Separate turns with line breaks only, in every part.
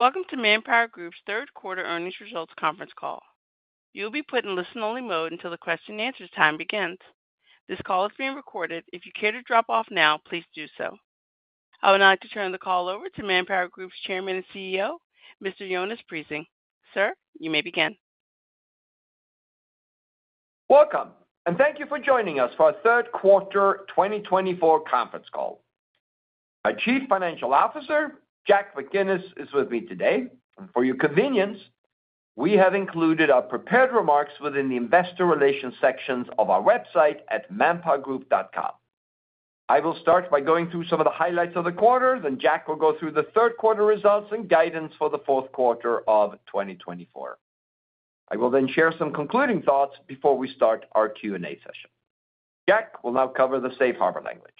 Welcome to ManpowerGroup's Third Quarter Earnings Results Conference Call. You'll be put in listen-only mode until the question and answer time begins. This call is being recorded. If you care to drop off now, please do so. I would now like to turn the call over to ManpowerGroup's Chairman and CEO, Mr. Jonas Prising. Sir, you may begin.
Welcome, and thank you for joining us for our Third Quarter 2024 Conference Call. Our Chief Financial Officer, Jack McGinnis, is with me today. For your convenience, we have included our prepared remarks within the investor relations sections of our website at manpowergroup.com. I will start by going through some of the highlights of the quarter, then Jack will go through the third quarter results and guidance for the fourth quarter of 2024. I will then share some concluding thoughts before we start our Q&A session. Jack will now cover the safe harbor language.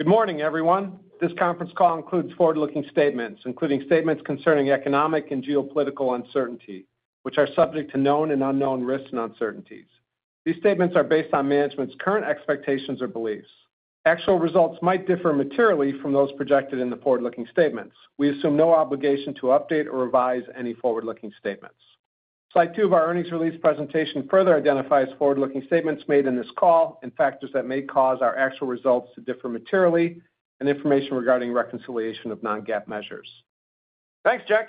Good morning, everyone. This conference call includes forward-looking statements, including statements concerning economic and geopolitical uncertainty, which are subject to known and unknown risks and uncertainties. These statements are based on management's current expectations or beliefs. Actual results might differ materially from those projected in the forward-looking statements. We assume no obligation to update or revise any forward-looking statements. Slide 2 of our earnings release presentation further identifies forward-looking statements made in this call and factors that may cause our actual results to differ materially and information regarding reconciliation of non-GAAP measures.
Thanks, Jack.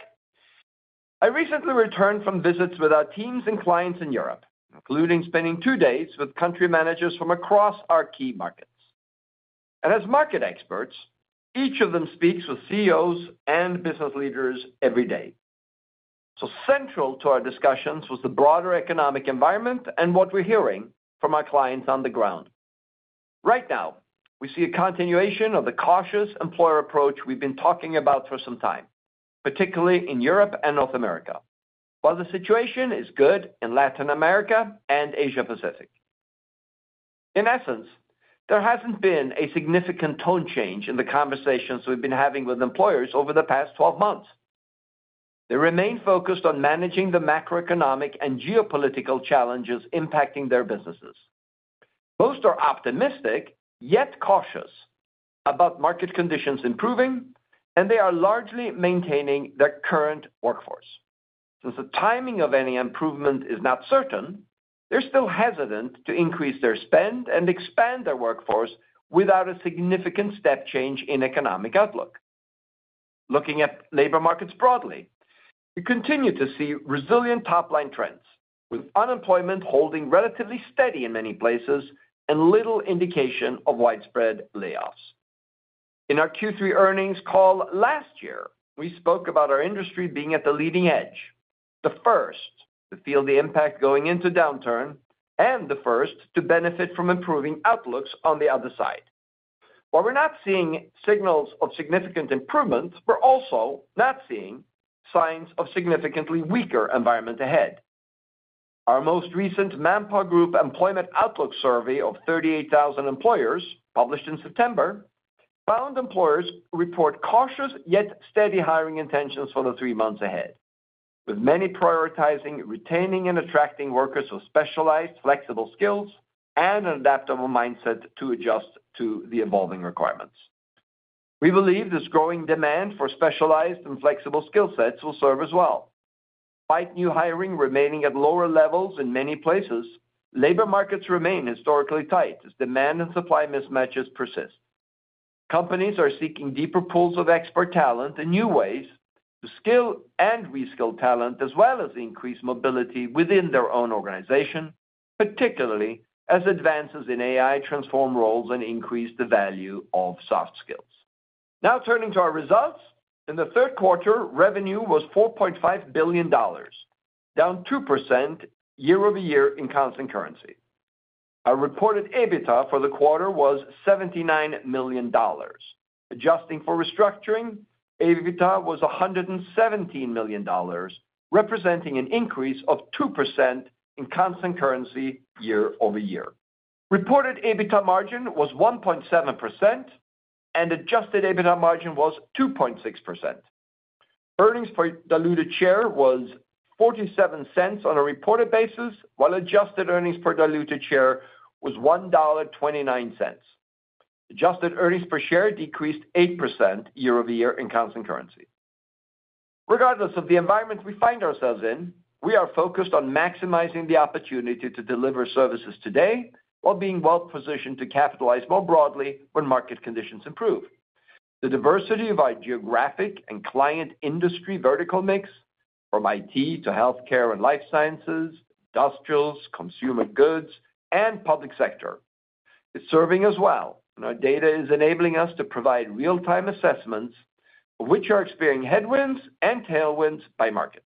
I recently returned from visits with our teams and clients in Europe, including spending two days with country managers from across our key markets. And as market experts, each of them speaks with CEOs and business leaders every day. So central to our discussions was the broader economic environment and what we're hearing from our clients on the ground. Right now, we see a continuation of the cautious employer approach we've been talking about for some time, particularly in Europe and North America, while the situation is good in Latin America and Asia Pacific. In essence, there hasn't been a significant tone change in the conversations we've been having with employers over the past 12 months. They remain focused on managing the macroeconomic and geopolitical challenges impacting their businesses. Most are optimistic, yet cautious, about market conditions improving, and they are largely maintaining their current workforce. Since the timing of any improvement is not certain, they're still hesitant to increase their spend and expand their workforce without a significant step change in economic outlook. Looking at labor markets broadly, we continue to see resilient top-line trends, with unemployment holding relatively steady in many places and little indication of widespread layoffs. In our Q3 earnings call last year, we spoke about our industry being at the leading edge, the first to feel the impact going into downturn and the first to benefit from improving outlooks on the other side. While we're not seeing signals of significant improvements, we're also not seeing signs of significantly weaker environment ahead. Our most recent ManpowerGroup Employment Outlook Survey of thirty-eight thousand employers, published in September, found employers report cautious, yet steady hiring intentions for the three months ahead, with many prioritizing, retaining, and attracting workers with specialized, flexible skills and an adaptable mindset to adjust to the evolving requirements. We believe this growing demand for specialized and flexible skill sets will serve us well. Despite new hiring remaining at lower levels in many places, labor markets remain historically tight as demand and supply mismatches persist. Companies are seeking deeper pools of expert talent and new ways to skill and reskill talent, as well as increase mobility within their own organization, particularly as advances in AI transform roles and increase the value of soft skills. Now, turning to our results. In the third quarter, revenue was $4.5 billion, down 2% YoY in constant currency. Our reported EBITDA for the quarter was $79 million. Adjusting for restructuring, EBITDA was $117 million, representing an increase of 2% in constant currency year over year. Reported EBITDA margin was 1.7%, and adjusted EBITDA margin was 2.6%. Earnings per diluted share was $0.47 on a reported basis, while adjusted earnings per diluted share was $1.29. Adjusted earnings per share decreased 8% YoY in constant currency. Regardless of the environment we find ourselves in, we are focused on maximizing the opportunity to deliver services today while being well positioned to capitalize more broadly when market conditions improve. The diversity of our geographic and client industry vertical mix, from IT to healthcare and life sciences, industrials, consumer goods, and public sector, is serving us well, and our data is enabling us to provide real-time assessments of which are experiencing headwinds and tailwinds by market.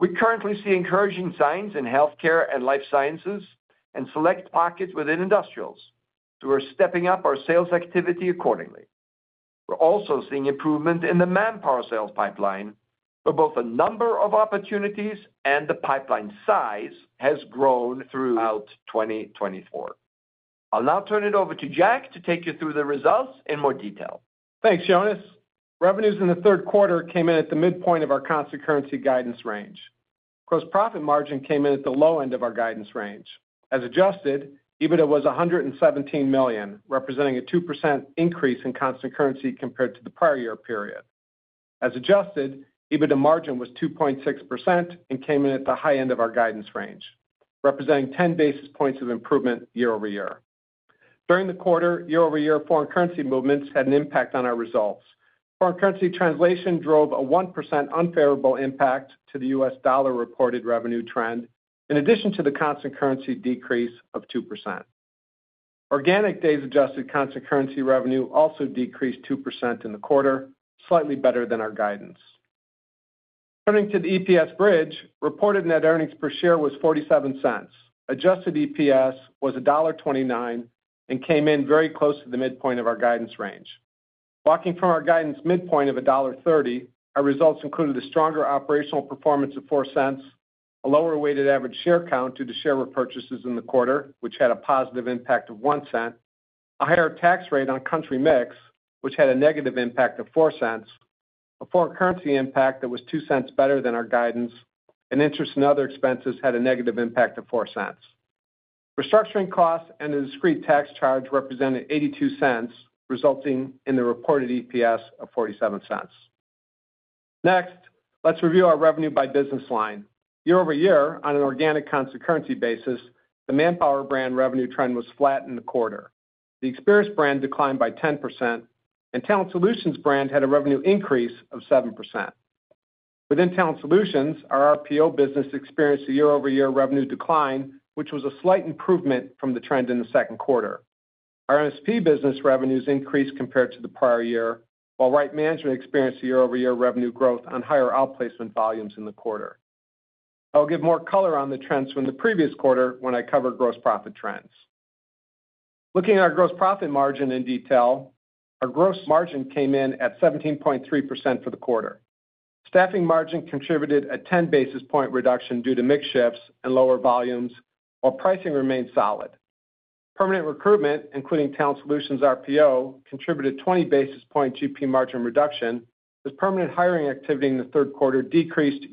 We currently see encouraging signs in healthcare and life sciences and select pockets within industrials, so we're stepping up our sales activity accordingly. We're also seeing improvement in the Manpower sales pipeline, where both the number of opportunities and the pipeline size has grown throughout 2024. I'll now turn it over to Jack to take you through the results in more detail.
Thanks, Jonas. Revenues in the third quarter came in at the midpoint of our constant currency guidance range. Gross profit margin came in at the low end of our guidance range. As adjusted, EBITDA was $117 million, representing a 2% increase in constant currency compared to the prior year period. As adjusted, EBITDA margin was 2.6% and came in at the high end of our guidance range, representing 10 basis points of improvement year-over-year. During the quarter, year-over-year foreign currency movements had an impact on our results. Foreign currency translation drove a 1% unfavorable impact to the U.S. dollar reported revenue trend, in addition to the constant currency decrease of 2%. Organic days adjusted constant currency revenue also decreased 2% in the quarter, slightly better than our guidance. Turning to the EPS bridge, reported net earnings per share was $0.47. Adjusted EPS was $1.29 and came in very close to the midpoint of our guidance range. Walking from our guidance midpoint of $1.30, our results included a stronger operational performance of $0.04, a lower weighted average share count due to share repurchases in the quarter, which had a positive impact of $0.01, a higher tax rate on country mix, which had a negative impact of $0.04, a foreign currency impact that was $0.02 better than our guidance, and interest and other expenses had a negative impact of $0.04. Restructuring costs and a discrete tax charge represented $0.82, resulting in the reported EPS of $0.47. Next, let's review our revenue by business line. Year-over-year, on an organic constant currency basis, the Manpower brand revenue trend was flat in the quarter. The Experis brand declined by 10%, and Talent Solutions brand had a revenue increase of 7%. Within Talent Solutions, our RPO business experienced a year-over-year revenue decline, which was a slight improvement from the trend in the second quarter. Our MSP business revenues increased compared to the prior year, while Right Management experienced a year-over-year revenue growth on higher outplacement volumes in the quarter. I'll give more color on the trends from the previous quarter when I cover gross profit trends. Looking at our gross profit margin in detail, our gross margin came in at 17.3% for the quarter. Staffing margin contributed a 10 basis point reduction due to mix shifts and lower volumes, while pricing remained solid. Permanent recruitment, including Talent Solutions RPO, contributed 20 basis points GP margin reduction, as permanent hiring activity in the third quarter decreased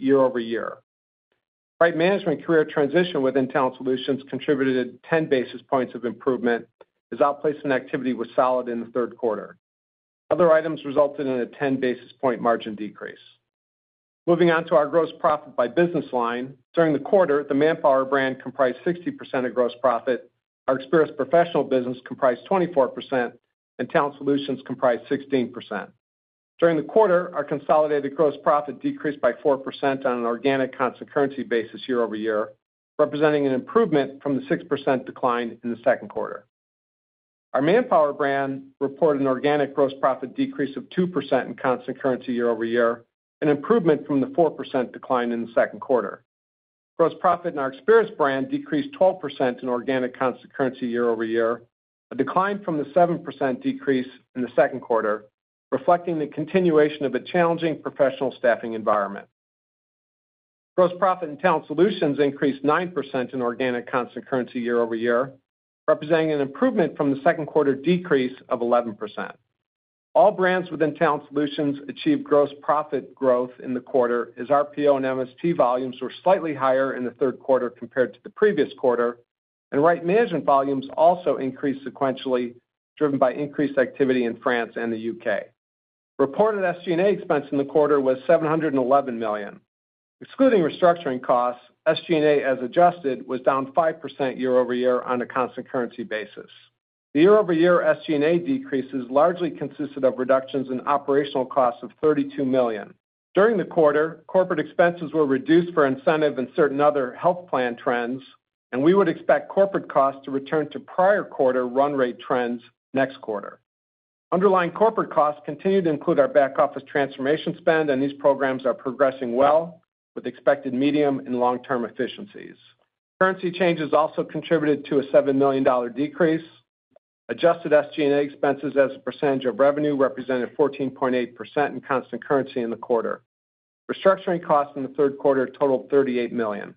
year-over-year. Right Management career transition within Talent Solutions contributed 10 basis points of improvement, as outplacement activity was solid in the third quarter. Other items resulted in a 10 basis point margin decrease. Moving on to our gross profit by business line. During the quarter, the Manpower brand comprised 60% of gross profit, our Experis professional business comprised 24%, and Talent Solutions comprised 16%. During the quarter, our consolidated gross profit decreased by 4% on an organic constant currency basis year-over-year, representing an improvement from the 6% decline in the second quarter. Our Manpower brand reported an organic gross profit decrease of 2% in constant currency year-over-year, an improvement from the 4% decline in the second quarter. Gross profit in our Experis brand decreased 12% in organic constant currency year-over-year, a decline from the 7% decrease in the second quarter, reflecting the continuation of a challenging professional staffing environment. Gross profit in Talent Solutions increased 9% in organic constant currency year-over-year, representing an improvement from the second quarter decrease of 11%. All brands within Talent Solutions achieved gross profit growth in the quarter, as RPO and MSP volumes were slightly higher in the third quarter compared to the previous quarter, and Right Management volumes also increased sequentially, driven by increased activity in France and the U.K. Reported SG&A expense in the quarter was $711 million. Excluding restructuring costs, SG&A, as adjusted, was down 5% year-over-year on a constant currency basis. The year-over-year SG&A decreases largely consisted of reductions in operational costs of $32 million. During the quarter, corporate expenses were reduced for incentive and certain other health plan trends, and we would expect corporate costs to return to prior quarter run rate trends next quarter. Underlying corporate costs continue to include our back office transformation spend, and these programs are progressing well with expected medium and long-term efficiencies. Currency changes also contributed to a $7 million decrease. Adjusted SG&A expenses as a percentage of revenue represented 14.8% in constant currency in the quarter. Restructuring costs in the third quarter totaled $38 million.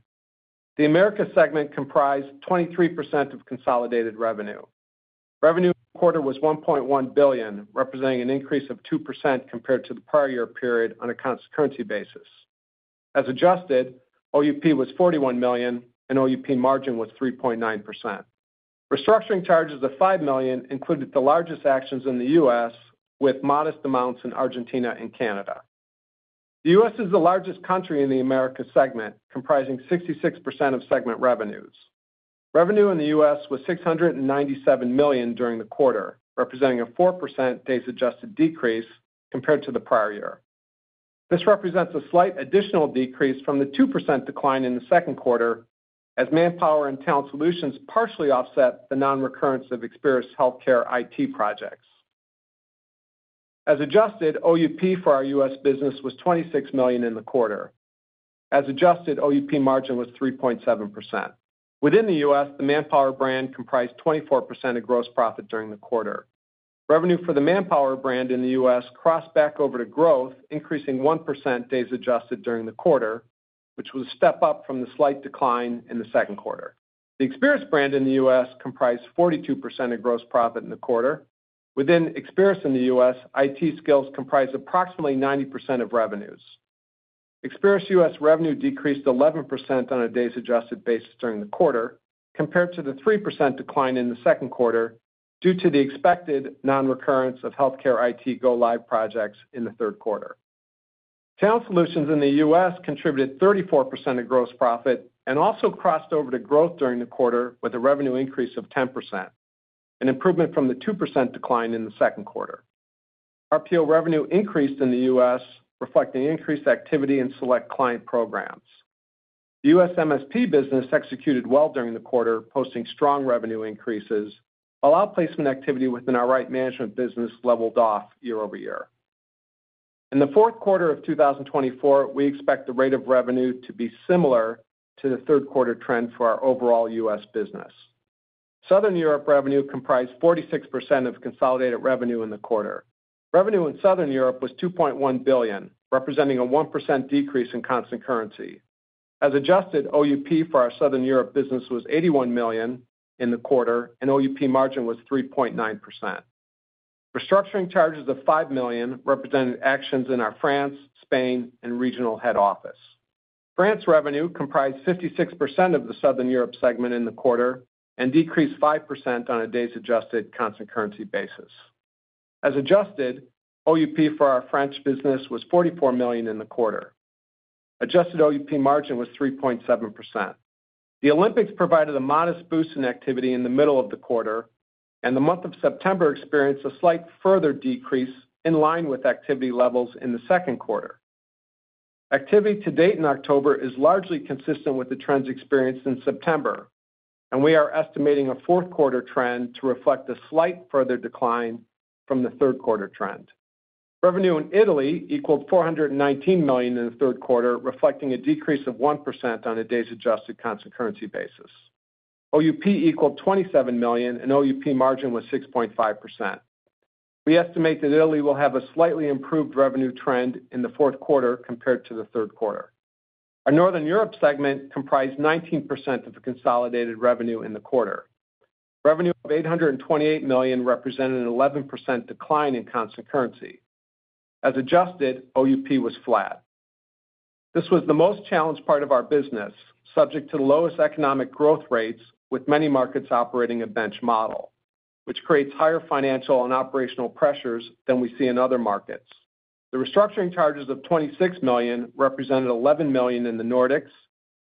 The Americas segment comprised 23% of consolidated revenue. Revenue quarter was $1.1 billion, representing an increase of 2% compared to the prior year period on a constant currency basis. As adjusted, OUP was $41 million, and OUP margin was 3.9%. Restructuring charges of $5 million included the largest actions in the U.S., with modest amounts in Argentina and Canada. The U.S. is the largest country in the Americas segment, comprising 66% of segment revenues. Revenue in the U.S. was $697 million during the quarter, representing a 4% days adjusted decrease compared to the prior year. This represents a slight additional decrease from the 2% decline in the second quarter, as Manpower and Talent Solutions partially offset the non-recurrence of Experis healthcare IT projects. As adjusted, OUP for our U.S. business was $26 million in the quarter. As adjusted, OUP margin was 3.7%. Within the U.S., the Manpower brand comprised 24% of gross profit during the quarter. Revenue for the Manpower brand in the U.S. crossed back over to growth, increasing 1% days adjusted during the quarter, which was a step up from the slight decline in the second quarter. The Experis brand in the U.S. comprised 42% of gross profit in the quarter. Within Experis in the U.S., IT skills comprise approximately 90% of revenues. Experis U.S. revenue decreased 11% on a days adjusted basis during the quarter, compared to the 3% decline in the second quarter, due to the expected non-recurrence of healthcare IT go live projects in the third quarter. Talent Solutions in the U.S. contributed 34% of gross profit and also crossed over to growth during the quarter with a revenue increase of 10%, an improvement from the 2% decline in the second quarter. RPO revenue increased in the U.S., reflecting increased activity in select client programs. The U.S. MSP business executed well during the quarter, posting strong revenue increases, while our placement activity within our Right Management business leveled off year over year. In the fourth quarter of 2024, we expect the rate of revenue to be similar to the third quarter trend for our overall U.S. business. Southern Europe revenue comprised 46% of consolidated revenue in the quarter. Revenue in Southern Europe was $2.1 billion, representing a 1% decrease in constant currency. As adjusted, OUP for our Southern Europe business was $81 million in the quarter, and OUP margin was 3.9%. Restructuring charges of $5 million represented actions in our France, Spain, and regional head office. France revenue comprised 56% of the Southern Europe segment in the quarter and decreased 5% on a days adjusted constant currency basis. As adjusted, OUP for our French business was $44 million in the quarter. Adjusted OUP margin was 3.7%. The Olympics provided a modest boost in activity in the middle of the quarter, and the month of September experienced a slight further decrease in line with activity levels in the second quarter. Activity to date in October is largely consistent with the trends experienced in September, and we are estimating a fourth quarter trend to reflect a slight further decline from the third quarter trend. Revenue in Italy equaled $419 million in the third quarter, reflecting a decrease of 1% on a days adjusted constant currency basis. OUP equaled $27 million and OUP margin was 6.5%. We estimate that Italy will have a slightly improved revenue trend in the fourth quarter compared to the third quarter. Our Northern Europe segment comprised 19% of the consolidated revenue in the quarter. Revenue of $828 million represented an 11% decline in constant currency. As adjusted, OUP was flat. This was the most challenged part of our business, subject to the lowest economic growth rates, with many markets operating a bench model, which creates higher financial and operational pressures than we see in other markets. The restructuring charges of $26 million represented $11 million in the Nordics,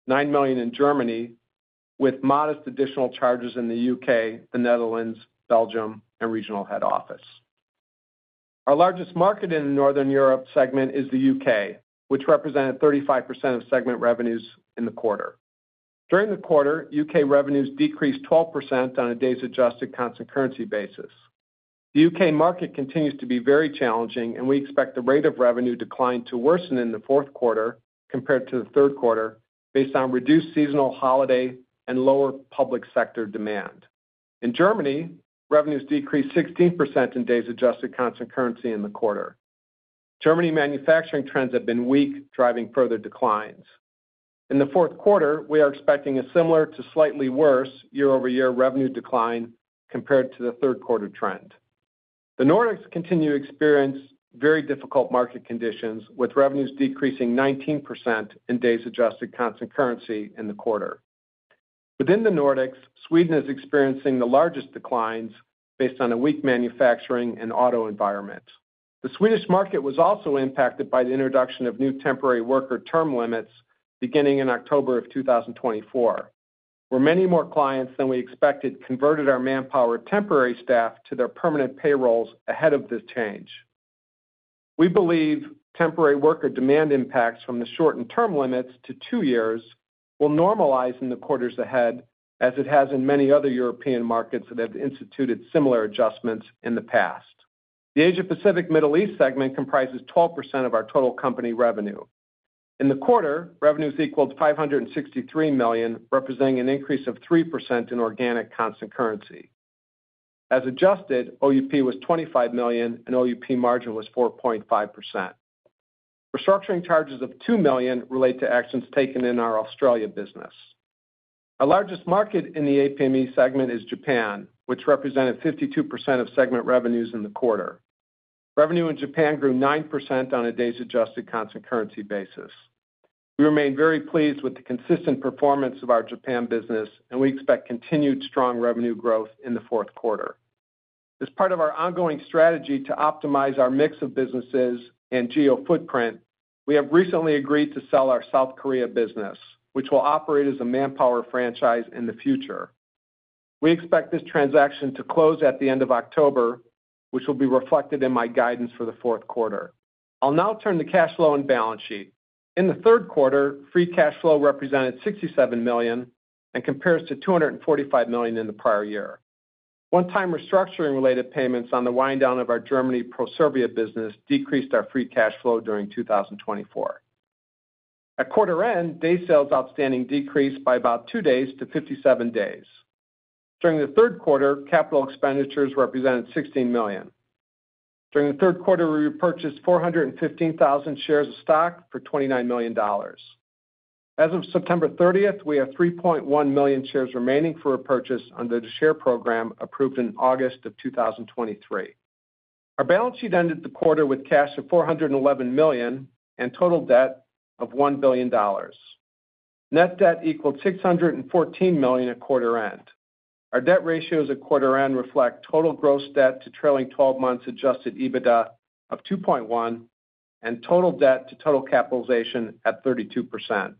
$9 million in Germany, with modest additional charges in the U.K., the Netherlands, Belgium, and regional head office. Our largest market in the Northern Europe segment is the U.K., which represented 35% of segment revenues in the quarter. During the quarter, U.K. revenues decreased 12% on a days adjusted constant currency basis. The U.K. market continues to be very challenging, and we expect the rate of revenue decline to worsen in the fourth quarter compared to the third quarter based on reduced seasonal holiday and lower public sector demand. In Germany, revenues decreased 16% in days adjusted constant currency in the quarter. German manufacturing trends have been weak, driving further declines. In the fourth quarter, we are expecting a similar to slightly worse year-over-year revenue decline compared to the third quarter trend. The Nordics continue to experience very difficult market conditions, with revenues decreasing 19% in days adjusted constant currency in the quarter. Within the Nordics, Sweden is experiencing the largest declines based on a weak manufacturing and auto environment. The Swedish market was also impacted by the introduction of new temporary worker term limits beginning in October of 2024, where many more clients than we expected converted our Manpower temporary staff to their permanent payrolls ahead of this change. We believe temporary worker demand impacts from the shortened term limits to two years will normalize in the quarters ahead, as it has in many other European markets that have instituted similar adjustments in the past. The Asia Pacific Middle East segment comprises 12% of our total company revenue. In the quarter, revenues equaled $563 million, representing an increase of 3% in organic constant currency. As adjusted, OUP was $25 million, and OUP margin was 4.5%. Restructuring charges of $2 million relate to actions taken in our Australia business. Our largest market in the APME segment is Japan, which represented 52% of segment revenues in the quarter. Revenue in Japan grew 9% on a days adjusted constant currency basis. We remain very pleased with the consistent performance of our Japan business, and we expect continued strong revenue growth in the fourth quarter. As part of our ongoing strategy to optimize our mix of businesses and geo footprint, we have recently agreed to sell our South Korea business, which will operate as a Manpower franchise in the future. We expect this transaction to close at the end of October, which will be reflected in my guidance for the fourth quarter. I'll now turn to cash flow and balance sheet. In the third quarter, free cash flow represented $67 million and compares to $245 million in the prior year. One-time restructuring related payments on the wind down of our Germany Proservia business decreased our free cash flow during 2024. At quarter end, days sales outstanding decreased by about two days to 57 days. During the third quarter, capital expenditures represented $16 million. During the third quarter, we repurchased 415,000 shares of stock for $29 million. As of September 30th, we have 3.1 million shares remaining for purchase under the share program approved in August of 2023. Our balance sheet ended the quarter with cash of $411 million and total debt of $1 billion. Net debt equaled $614 million at quarter end. Our debt ratios at quarter end reflect total gross debt to trailing twelve months adjusted EBITDA of 2.1, and total debt to total capitalization at 32%.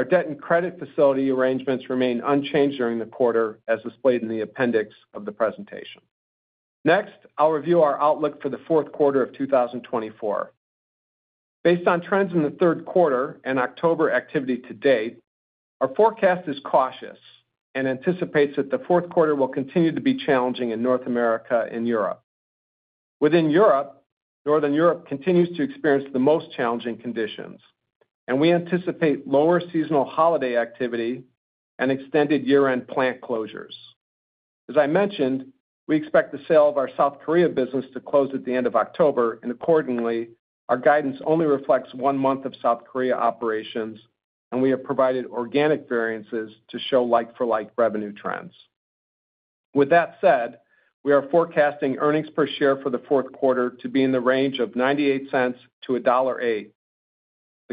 Our debt and credit facility arrangements remained unchanged during the quarter, as displayed in the appendix of the presentation. Next, I'll review our outlook for the fourth quarter of 2024. Based on trends in the third quarter and October activity to date, our forecast is cautious and anticipates that the fourth quarter will continue to be challenging in North America and Europe. Within Europe, Northern Europe continues to experience the most challenging conditions, and we anticipate lower seasonal holiday activity and extended year-end plant closures. As I mentioned, we expect the sale of our South Korea business to close at the end of October, and accordingly, our guidance only reflects one month of South Korea operations, and we have provided organic variances to show like-for-like revenue trends. With that said, we are forecasting earnings per share for the fourth quarter to be in the range of $0.98 to $1.08. The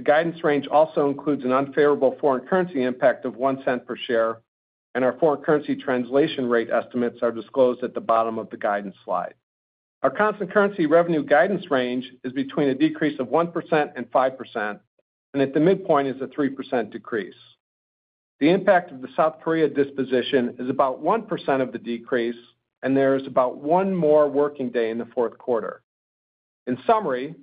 guidance range also includes an unfavorable foreign currency impact of $0.01 per share, and our foreign currency translation rate estimates are disclosed at the bottom of the guidance slide. Our constant currency revenue guidance range is between a decrease of 1% and 5%, and at the midpoint is a 3% decrease. The impact of the South Korea disposition is about 1% of the decrease, and there is about one more working day in the fourth quarter. In summary,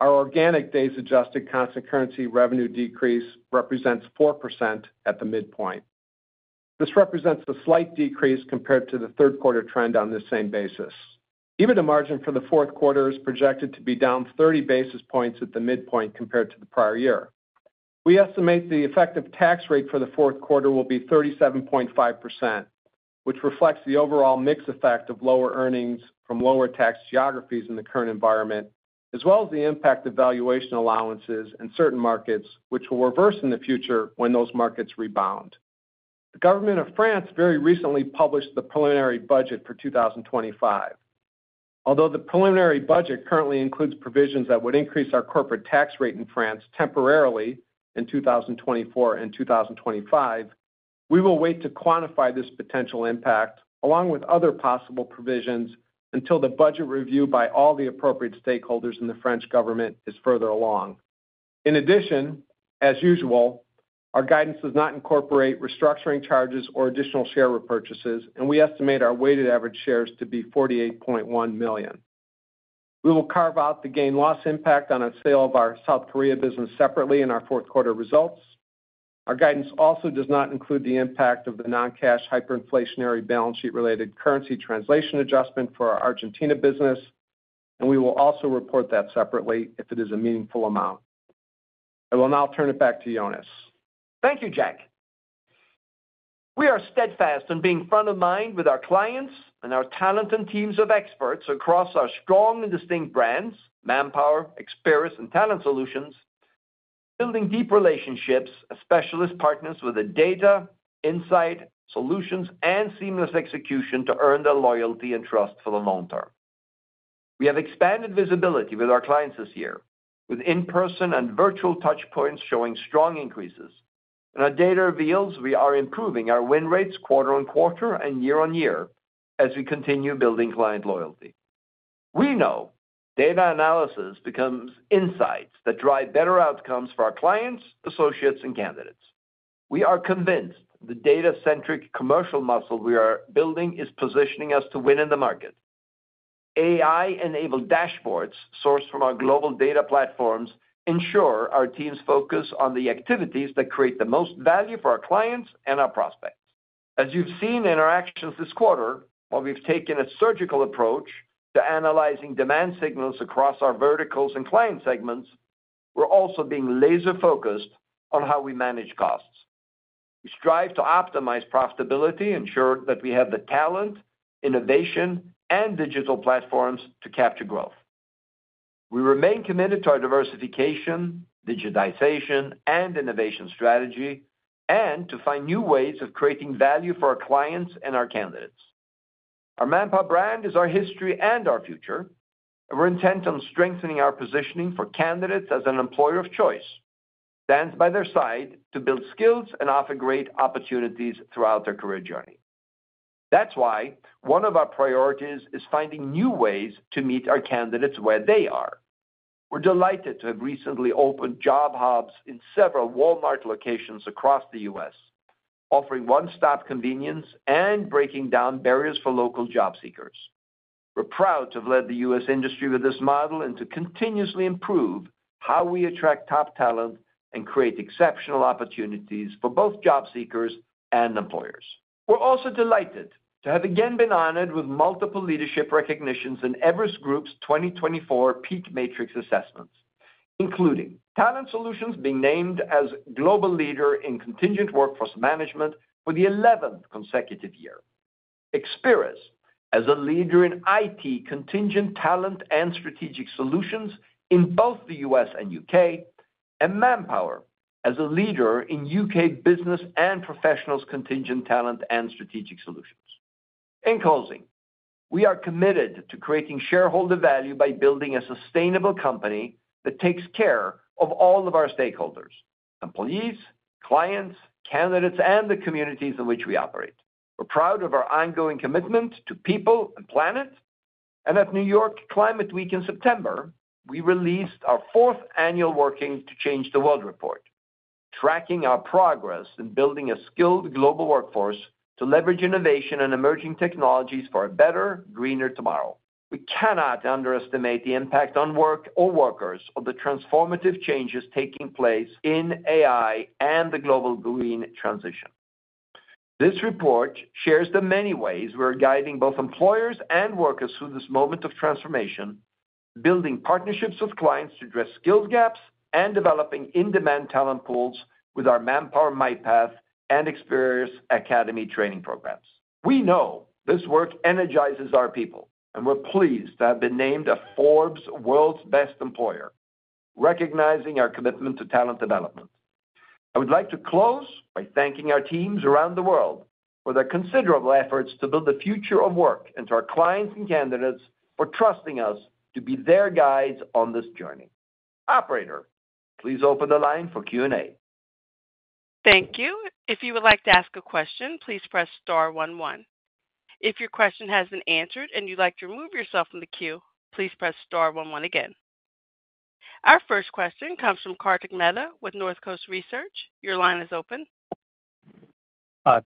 our organic days-adjusted constant currency revenue decrease represents 4% at the midpoint. This represents a slight decrease compared to the third quarter trend on this same basis. EBITDA margin for the fourth quarter is projected to be down 30 basis points at the midpoint compared to the prior year. We estimate the effective tax rate for the fourth quarter will be 37.5%, which reflects the overall mix effect of lower earnings from lower tax geographies in the current environment, as well as the impact of valuation allowances in certain markets, which will reverse in the future when those markets rebound. The government of France very recently published the preliminary budget for 2025. Although the preliminary budget currently includes provisions that would increase our corporate tax rate in France temporarily in 2024 and 2025, we will wait to quantify this potential impact, along with other possible provisions, until the budget review by all the appropriate stakeholders in the French government is further along. In addition, as usual, our guidance does not incorporate restructuring charges or additional share repurchases, and we estimate our weighted average shares to be 48.1 million. We will carve out the gain loss impact on a sale of our South Korea business separately in our fourth quarter results. Our guidance also does not include the impact of the non-cash, hyperinflationary, balance sheet-related currency translation adjustment for our Argentina business, and we will also report that separately if it is a meaningful amount. I will now turn it back to Jonas.
Thank you, Jack. We are steadfast in being front of mind with our clients and our talent and teams of experts across our strong and distinct brands, Manpower, Experis, and Talent Solutions, building deep relationships as specialist partners with the data, insight, solutions, and seamless execution to earn their loyalty and trust for the long term. We have expanded visibility with our clients this year, with in-person and virtual touchpoints showing strong increases, and our data reveals we are improving our win rates quarter on quarter and year on year as we continue building client loyalty. We know data analysis becomes insights that drive better outcomes for our clients, associates, and candidates. We are convinced the data-centric commercial muscle we are building is positioning us to win in the market. AI-enabled dashboards sourced from our global data platforms ensure our teams focus on the activities that create the most value for our clients and our prospects. As you've seen in our actions this quarter, while we've taken a surgical approach to analyzing demand signals across our verticals and client segments, we're also being laser-focused on how we manage costs. We strive to optimize profitability, ensure that we have the talent, innovation, and digital platforms to capture growth. We remain committed to our diversification, digitization, and innovation strategy, and to find new ways of creating value for our clients and our candidates. Our Manpower brand is our history and our future, and we're intent on strengthening our positioning for candidates as an employer of choice, stands by their side to build skills and offer great opportunities throughout their career journey. That's why one of our priorities is finding new ways to meet our candidates where they are. We're delighted to have recently opened job hubs in several Walmart locations across the U.S., offering one-stop convenience and breaking down barriers for local job seekers. We're proud to have led the U.S. industry with this model and to continuously improve how we attract top talent and create exceptional opportunities for both job seekers and employers. We're also delighted to have again been honored with multiple leadership recognitions in Everest Group's 2024 PEAK Matrix assessments. ... including Talent Solutions being named as global leader in contingent workforce management for the eleventh consecutive year. Experis, as a leader in IT, contingent talent, and strategic solutions in both the U.S. and U.K., and Manpower as a leader in U.K. business and professionals contingent talent and strategic solutions. In closing, we are committed to creating shareholder value by building a sustainable company that takes care of all of our stakeholders, employees, clients, candidates, and the communities in which we operate. We're proud of our ongoing commitment to people and planet, and at New York Climate Week in September, we released our fourth annual Working to Change the World report, tracking our progress in building a skilled global workforce to leverage innovation and emerging technologies for a better, greener tomorrow. We cannot underestimate the impact on work or workers of the transformative changes taking place in AI and the global green transition. This report shares the many ways we're guiding both employers and workers through this moment of transformation, building partnerships with clients to address skills gaps, and developing in-demand talent pools with our Manpower MyPath and Experis Academy training programs. We know this work energizes our people, and we're pleased to have been named a Forbes World's Best Employer, recognizing our commitment to talent development. I would like to close by thanking our teams around the world for their considerable efforts to build the future of work, and to our clients and candidates for trusting us to be their guides on this journey. Operator, please open the line for Q&A.
Thank you. If you would like to ask a question, please press star one, one. If your question has been answered and you'd like to remove yourself from the queue, please press star one, one again. Our first question comes from Kartik Mehta with North Coast Research. Your line is open.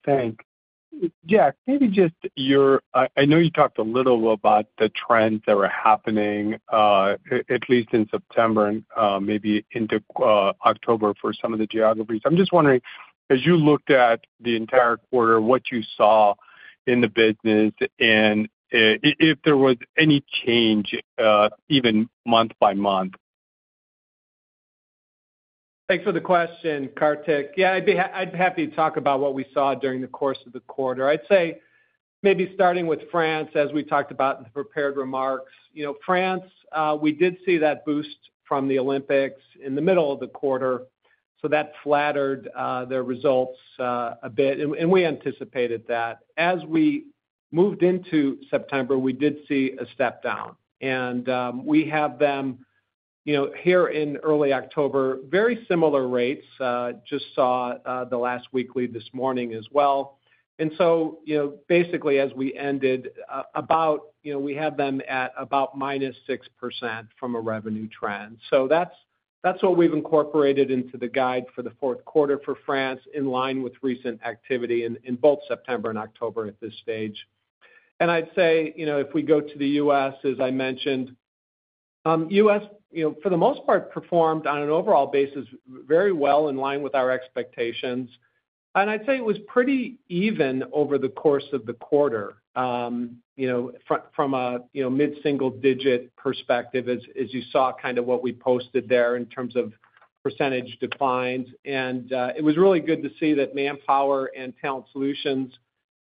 Thanks. Jack, maybe just your, I know you talked a little about the trends that were happening, at least in September and, maybe into, October for some of the geographies. I'm just wondering, as you looked at the entire quarter, what you saw in the business and, if there was any change, even month by month?
Thanks for the question, Kartik. Yeah, I'd be happy to talk about what we saw during the course of the quarter. I'd say maybe starting with France, as we talked about in the prepared remarks. You know, France, we did see that boost from the Olympics in the middle of the quarter, so that flattered their results a bit, and we anticipated that. As we moved into September, we did see a step down, and we have them, you know, here in early October, very similar rates, just saw the last weekly this morning as well. And so, you know, basically as we ended, about, you know, we have them at about minus 6% from a revenue trend. So that's, that's what we've incorporated into the guide for the fourth quarter for France, in line with recent activity in, in both September and October at this stage. And I'd say, you know, if we go to the U.S., as I mentioned, U.S., you know, for the most part, performed on an overall basis very well in line with our expectations. And I'd say it was pretty even over the course of the quarter, you know, from a, you know, mid-single digit perspective, as, as you saw kind of what we posted there in terms of percentage declines. And, it was really good to see that Manpower and Talent Solutions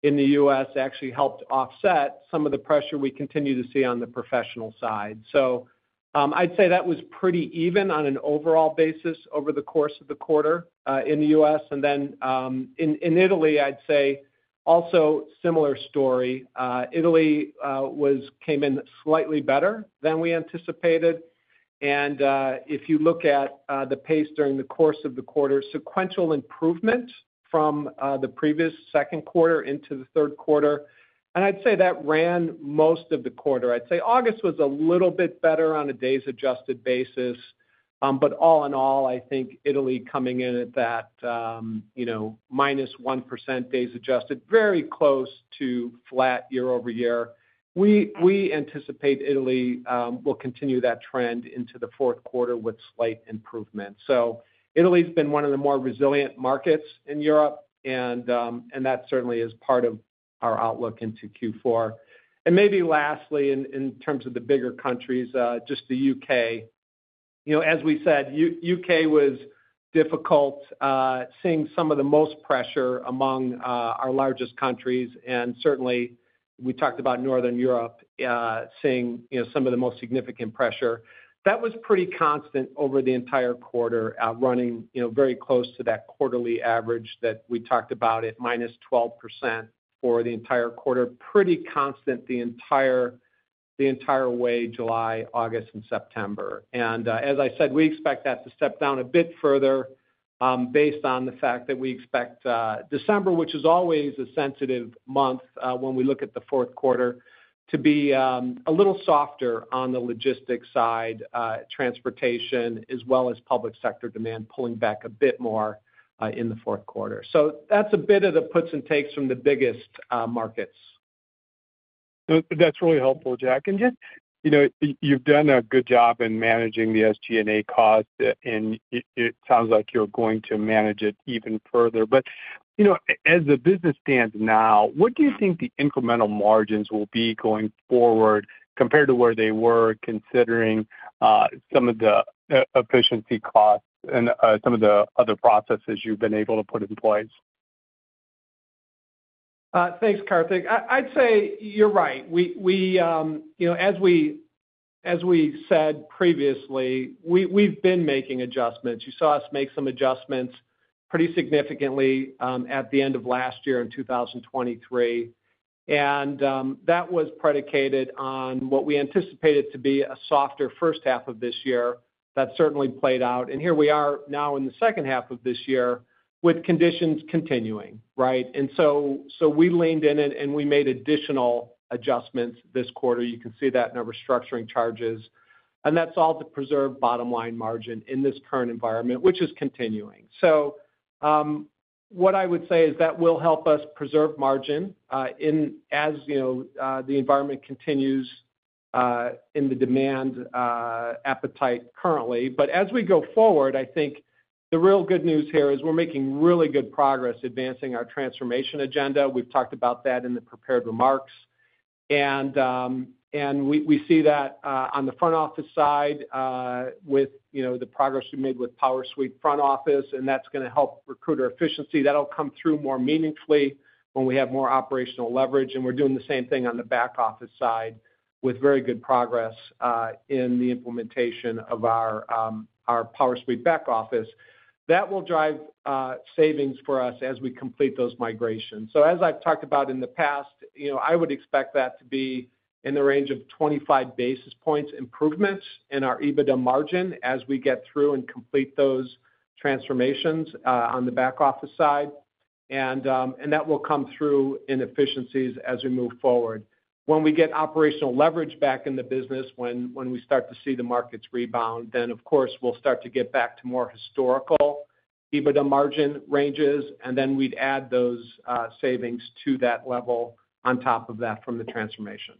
in the US actually helped offset some of the pressure we continue to see on the professional side. So, I'd say that was pretty even on an overall basis over the course of the quarter in the U.S. And then, in Italy, I'd say also similar story. Italy came in slightly better than we anticipated. And if you look at the pace during the course of the quarter, sequential improvement from the previous second quarter into the third quarter, and I'd say that ran most of the quarter. I'd say August was a little bit better on a days adjusted basis, but all in all, I think Italy coming in at that, you know, minus 1% days adjusted, very close to flat year over year. We anticipate Italy will continue that trend into the fourth quarter with slight improvement. Italy's been one of the more resilient markets in Europe, and that certainly is part of our outlook into Q4. Maybe lastly, in terms of the bigger countries, just the U.K. You know, as we said, U.K. was difficult, seeing some of the most pressure among our largest countries, and certainly, we talked about Northern Europe, seeing, you know, some of the most significant pressure. That was pretty constant over the entire quarter, running, you know, very close to that quarterly average that we talked about at minus 12% for the entire quarter. Pretty constant the entire way, July, August, and September. As I said, we expect that to step down a bit further, based on the fact that we expect December, which is always a sensitive month, when we look at the fourth quarter, to be a little softer on the logistics side, transportation, as well as public sector demand, pulling back a bit more, in the fourth quarter. That's a bit of the puts and takes from the biggest markets.
So that's really helpful, Jack. And just, you know, you've done a good job in managing the SG&A costs, and it sounds like you're going to manage it even further. But, you know, as the business stands now, what do you think the incremental margins will be going forward compared to where they were, considering some of the efficiency costs and some of the other processes you've been able to put in place?...
Thanks, Kartik. I'd say you're right. We you know, as we said previously, we've been making adjustments. You saw us make some adjustments pretty significantly at the end of last year in 2023. And that was predicated on what we anticipated to be a softer first half of this year. That certainly played out, and here we are now in the second half of this year with conditions continuing, right? And so we leaned in, and we made additional adjustments this quarter. You can see that in our restructuring charges, and that's all to preserve bottom-line margin in this current environment, which is continuing. So what I would say is that will help us preserve margin in, as you know, the environment continues in the demand appetite currently. But as we go forward, I think the real good news here is we're making really good progress advancing our transformation agenda. We've talked about that in the prepared remarks. And we see that on the front office side, with you know, the progress we made with PowerSuite front office, and that's gonna help recruiter efficiency. That'll come through more meaningfully when we have more operational leverage, and we're doing the same thing on the back office side, with very good progress in the implementation of our PowerSuite back office. That will drive savings for us as we complete those migrations. So as I've talked about in the past, you know, I would expect that to be in the range of 25 basis points improvements in our EBITDA margin as we get through and complete those transformations on the back office side. And that will come through in efficiencies as we move forward. When we get operational leverage back in the business, when we start to see the markets rebound, then, of course, we'll start to get back to more historical EBITDA margin ranges, and then we'd add those savings to that level on top of that from the transformation.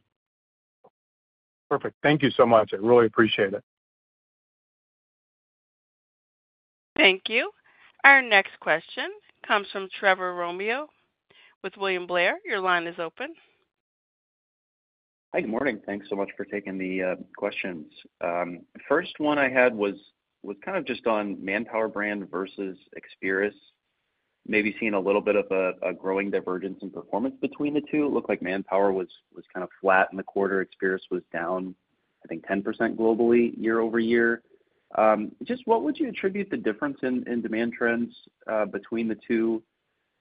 Perfect. Thank you so much. I really appreciate it.
Thank you. Our next question comes from Trevor Romeo with William Blair. Your line is open.
Hi, good morning. Thanks so much for taking the questions. The first one I had was kind of just on Manpower brand versus Experis. Maybe seeing a little bit of a growing divergence in performance between the two. It looked like Manpower was kind of flat in the quarter. Experis was down, I think, 10% globally, year over year. Just what would you attribute the difference in demand trends between the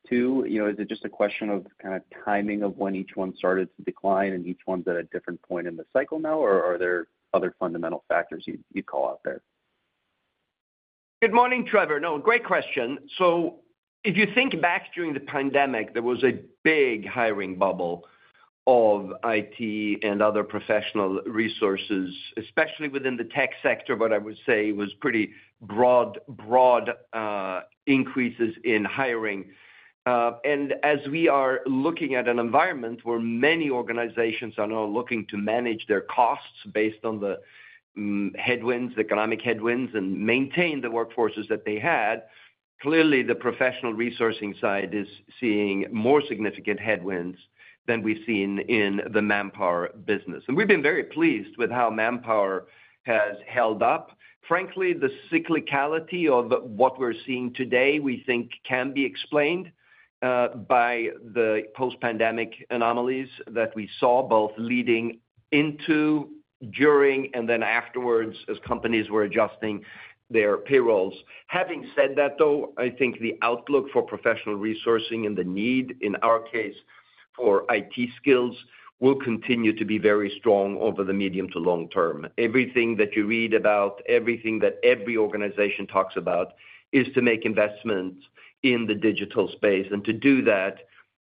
two? You know, is it just a question of kind of timing of when each one started to decline, and each one's at a different point in the cycle now, or are there other fundamental factors you'd call out there?
Good morning, Trevor. No, great question. So if you think back during the pandemic, there was a big hiring bubble of IT and other professional resources, especially within the tech sector, but I would say it was pretty broad increases in hiring. And as we are looking at an environment where many organizations are now looking to manage their costs based on the economic headwinds, and maintain the workforces that they had, clearly the professional resourcing side is seeing more significant headwinds than we've seen in the Manpower business. And we've been very pleased with how Manpower has held up. Frankly, the cyclicality of what we're seeing today, we think can be explained by the post-pandemic anomalies that we saw, both leading into, during, and then afterwards as companies were adjusting their payrolls. Having said that, though, I think the outlook for professional resourcing and the need, in our case, for IT skills, will continue to be very strong over the medium to long term. Everything that you read about, everything that every organization talks about, is to make investments in the digital space. And to do that,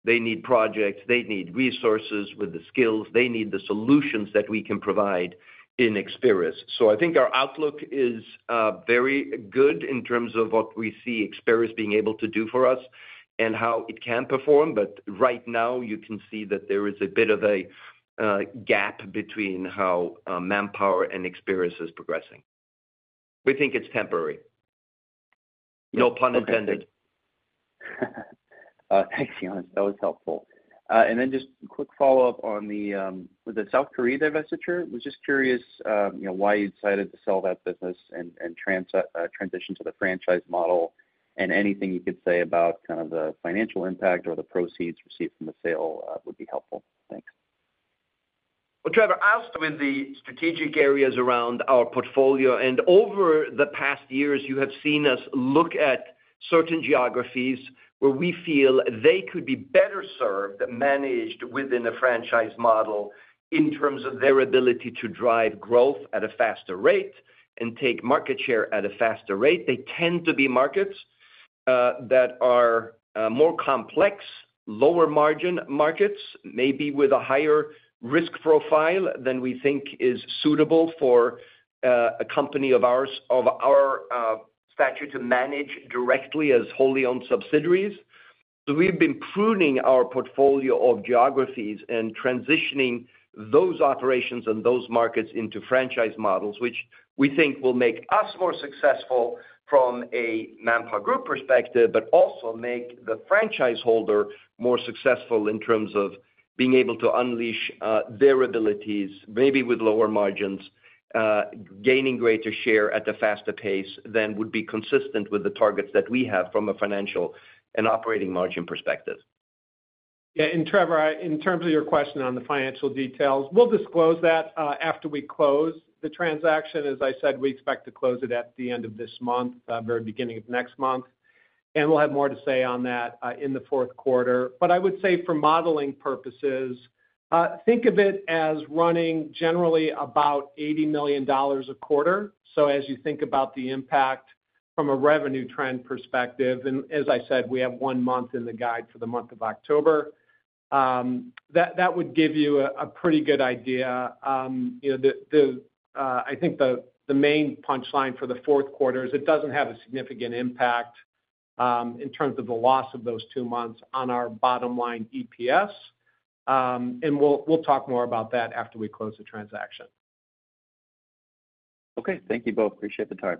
they need projects, they need resources with the skills, they need the solutions that we can provide in Experis. So I think our outlook is very good in terms of what we see Experis being able to do for us and how it can perform, but right now you can see that there is a bit of a gap between how Manpower and Experis is progressing. We think it's temporary. No pun intended.
Thanks, Jonas. That was helpful. And then just quick follow-up on the with the South Korea divestiture. Was just curious, you know, why you decided to sell that business and transition to the franchise model, and anything you could say about kind of the financial impact or the proceeds received from the sale would be helpful. Thanks.
Trevor, as with the strategic areas around our portfolio, and over the past years, you have seen us look at certain geographies where we feel they could be better served, managed within a franchise model in terms of their ability to drive growth at a faster rate and take market share at a faster rate. They tend to be markets that are more complex, lower-margin markets, maybe with a higher risk profile than we think is suitable for a company of our stature to manage directly as wholly owned subsidiaries. So we've been pruning our portfolio of geographies and transitioning those operations and those markets into franchise models, which we think will make us more successful from a ManpowerGroup perspective, but also make the franchise holder more successful in terms of being able to unleash their abilities, maybe with lower margins, gaining greater share at a faster pace than would be consistent with the targets that we have from a financial and operating margin perspective....
Yeah, and Trevor, in terms of your question on the financial details, we'll disclose that after we close the transaction. As I said, we expect to close it at the end of this month, very beginning of next month, and we'll have more to say on that in the fourth quarter. But I would say for modeling purposes, think of it as running generally about $80 million a quarter. So as you think about the impact from a revenue trend perspective, and as I said, we have one month in the guide for the month of October, that would give you a pretty good idea. You know, I think the main punchline for the fourth quarter is it doesn't have a significant impact in terms of the loss of those two months on our bottom line EPS. And we'll talk more about that after we close the transaction.
Okay. Thank you both. Appreciate the time.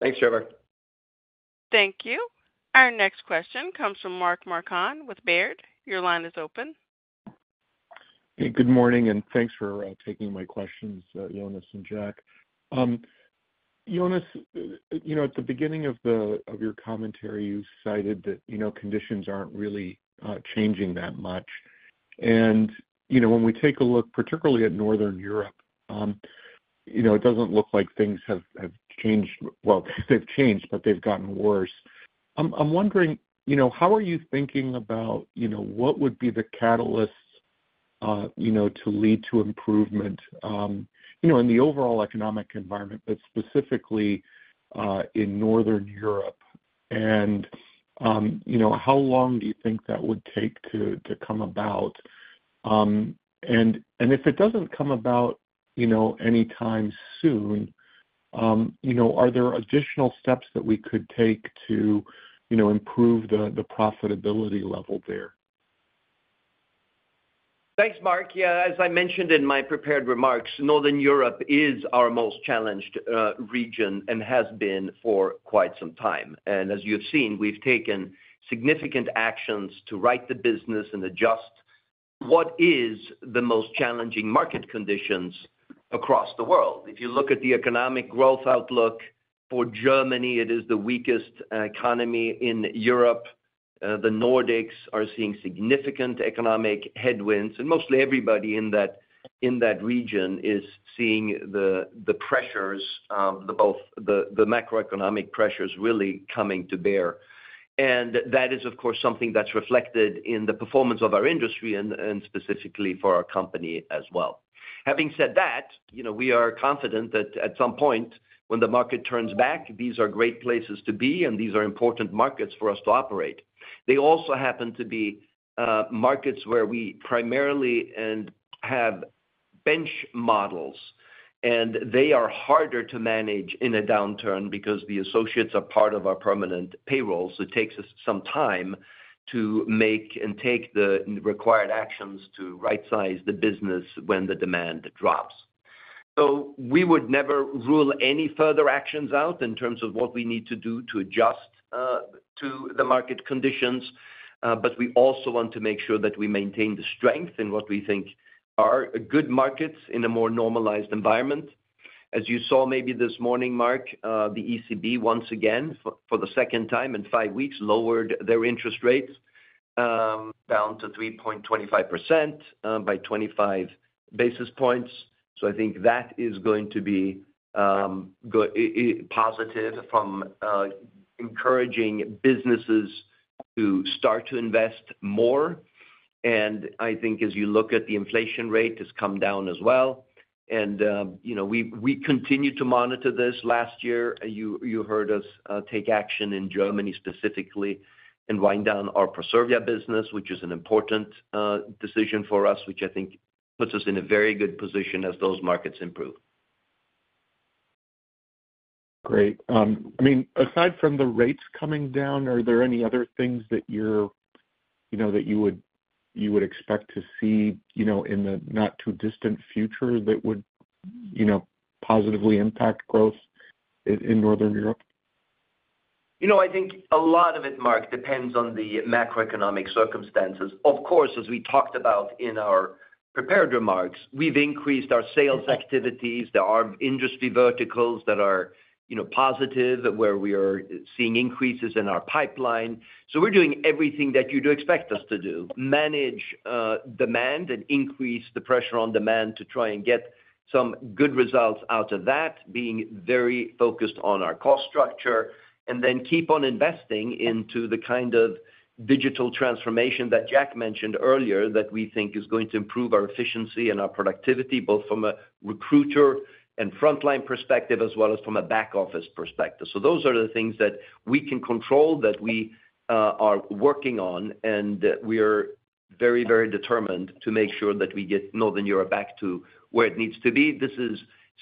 Thanks, Trevor.
Thank you. Our next question comes from Mark Marcon with Baird. Your line is open.
Hey, good morning, and thanks for taking my questions, Jonas and Jack. Jonas, you know, at the beginning of your commentary, you cited that, you know, conditions aren't really changing that much. And, you know, when we take a look, particularly at Northern Europe, you know, it doesn't look like things have changed. Well, they've changed, but they've gotten worse. I'm wondering, you know, how are you thinking about, you know, what would be the catalyst to lead to improvement in the overall economic environment, but specifically in Northern Europe? And, you know, how long do you think that would take to come about? And if it doesn't come about, you know, anytime soon, you know, are there additional steps that we could take to, you know, improve the profitability level there?
Thanks, Mark. Yeah, as I mentioned in my prepared remarks, Northern Europe is our most challenged region and has been for quite some time. And as you've seen, we've taken significant actions to right the business and adjust what is the most challenging market conditions across the world. If you look at the economic growth outlook for Germany, it is the weakest economy in Europe. The Nordics are seeing significant economic headwinds, and mostly everybody in that region is seeing the pressures, both the macroeconomic pressures really coming to bear. And that is, of course, something that's reflected in the performance of our industry and specifically for our company as well. Having said that, you know, we are confident that at some point, when the market turns back, these are great places to be, and these are important markets for us to operate. They also happen to be markets where we primarily and have bench models, and they are harder to manage in a downturn because the associates are part of our permanent payroll. So it takes us some time to make and take the required actions to rightsize the business when the demand drops. So we would never rule any further actions out in terms of what we need to do to adjust to the market conditions, but we also want to make sure that we maintain the strength in what we think are good markets in a more normalized environment. As you saw maybe this morning, Mark, the ECB, once again, for the second time in five weeks, lowered their interest rates down to 3.25% by 25 basis points. So I think that is going to be positive for encouraging businesses to start to invest more. And I think as you look at the inflation rate, it's come down as well. And you know, we continue to monitor this. Last year, you heard us take action in Germany, specifically, and wind down our Proservia business, which is an important decision for us, which I think puts us in a very good position as those markets improve.
Great. I mean, aside from the rates coming down, are there any other things that you're, you know, that you would expect to see, you know, in the not-too-distant future that would, you know, positively impact growth in Northern Europe?
You know, I think a lot of it, Mark, depends on the macroeconomic circumstances. Of course, as we talked about in our prepared remarks, we've increased our sales activities. There are industry verticals that are, you know, positive, where we are seeing increases in our pipeline. So we're doing everything that you'd expect us to do: manage demand and increase the pressure on demand to try and get some good results out of that, being very focused on our cost structure, and then keep on investing into the kind of digital transformation that Jack mentioned earlier, that we think is going to improve our efficiency and our productivity, both from a recruiter and frontline perspective, as well as from a back-office perspective. So those are the things that we can control, that we are working on, and we are very, very determined to make sure that we get Northern Europe back to where it needs to be. This is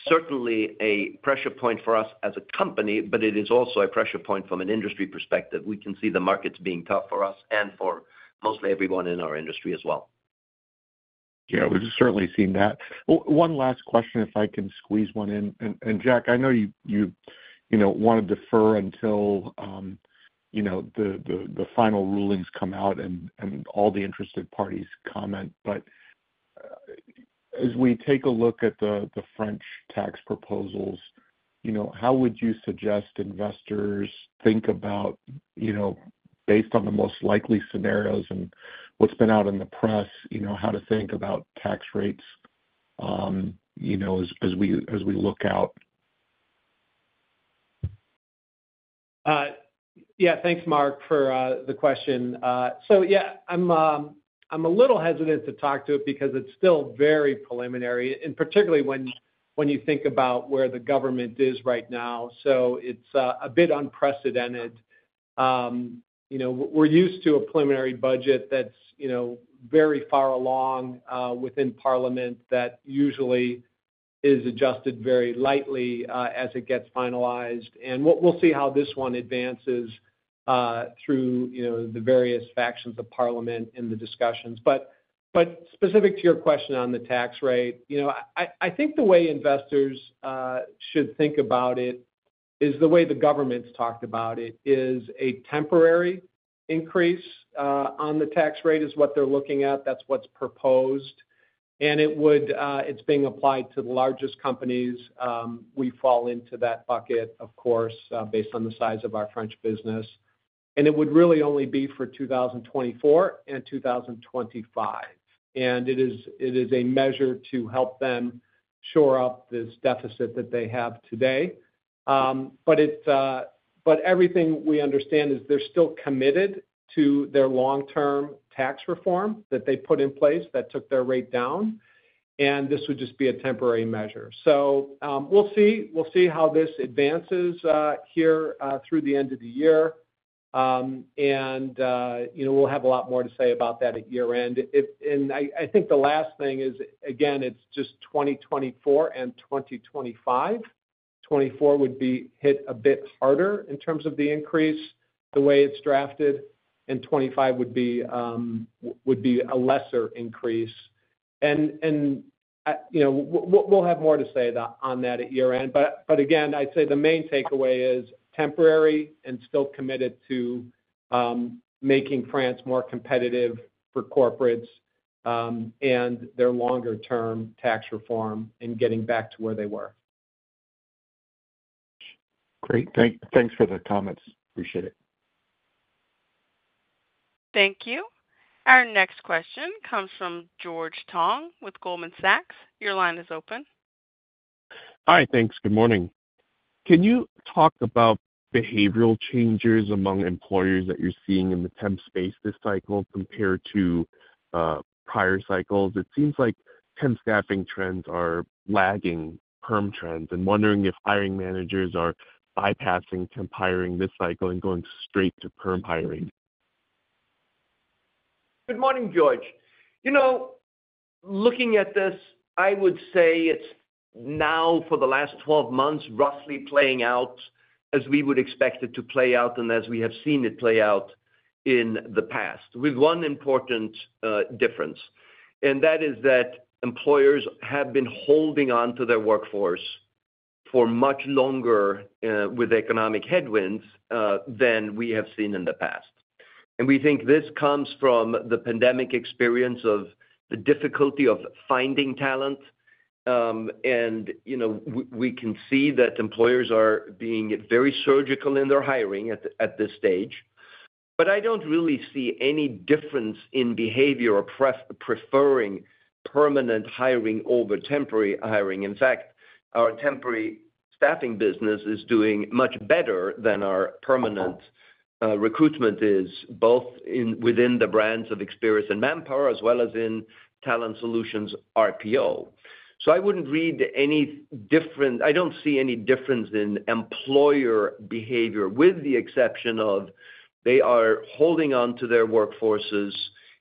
certainly a pressure point for us as a company, but it is also a pressure point from an industry perspective. We can see the markets being tough for us and for mostly everyone in our industry as well.
Yeah, we've certainly seen that. One last question, if I can squeeze one in. And Jack, I know you know want to defer until you know the final rulings come out and all the interested parties comment, but as we take a look at the French tax proposals, you know, how would you suggest investors think about, you know, based on the most likely scenarios and what's been out in the press, you know, how to think about tax rates, you know, as we look out?
Yeah, thanks, Mark, for the question. So yeah, I'm I'm a little hesitant to talk to it because it's still very preliminary, and particularly when, when you think about where the government is right now. So it's a bit unprecedented. You know, we're used to a preliminary budget that's, you know, very far along, within parliament, that usually is adjusted very lightly, as it gets finalized. And we'll see how this one advances, through, you know, the various factions of parliament in the discussions. But specific to your question on the tax rate, you know, I think the way investors should think about it is the way the government's talked about it, is a temporary increase on the tax rate, is what they're looking at. That's what's proposed. It's being applied to the largest companies. We fall into that bucket, of course, based on the size of our French business. It would really only be for 2024 and 2025. It is a measure to help them shore up this deficit that they have today. Everything we understand is they're still committed to their long-term tax reform that they put in place, that took their rate down, and this would just be a temporary measure. We'll see. We'll see how this advances here through the end of the year. You know, we'll have a lot more to say about that at year-end. I think the last thing is, again, it's just 2024 and 2025. 2024 would be hit a bit harder in terms of the increase, the way it's drafted, and 2025 would be a lesser increase. You know, we'll have more to say on that at year-end, but again, I'd say the main takeaway is temporary and still committed to making France more competitive for corporates, and their longer term tax reform and getting back to where they were.
Great. Thanks for the comments. Appreciate it.
Thank you. Our next question comes from George Tong with Goldman Sachs. Your line is open.
Hi. Thanks. Good morning. Can you talk about behavioral changes among employers that you're seeing in the temp space this cycle compared to prior cycles? It seems like temp staffing trends are lagging perm trends, and wondering if hiring managers are bypassing temp hiring this cycle and going straight to perm hiring.
Good morning, George. You know, looking at this, I would say it's now, for the last twelve months, roughly playing out as we would expect it to play out and as we have seen it play out in the past, with one important difference, and that is that employers have been holding on to their workforce for much longer with economic headwinds than we have seen in the past, and we think this comes from the pandemic experience of the difficulty of finding talent. And, you know, we can see that employers are being very surgical in their hiring at this stage, but I don't really see any difference in behavior or preferring permanent hiring over temporary hiring. In fact, our temporary staffing business is doing much better than our permanent recruitment is, both within the brands of Experis and Manpower, as well as in Talent Solutions RPO. So I wouldn't read any different. I don't see any difference in employer behavior, with the exception of they are holding on to their workforces.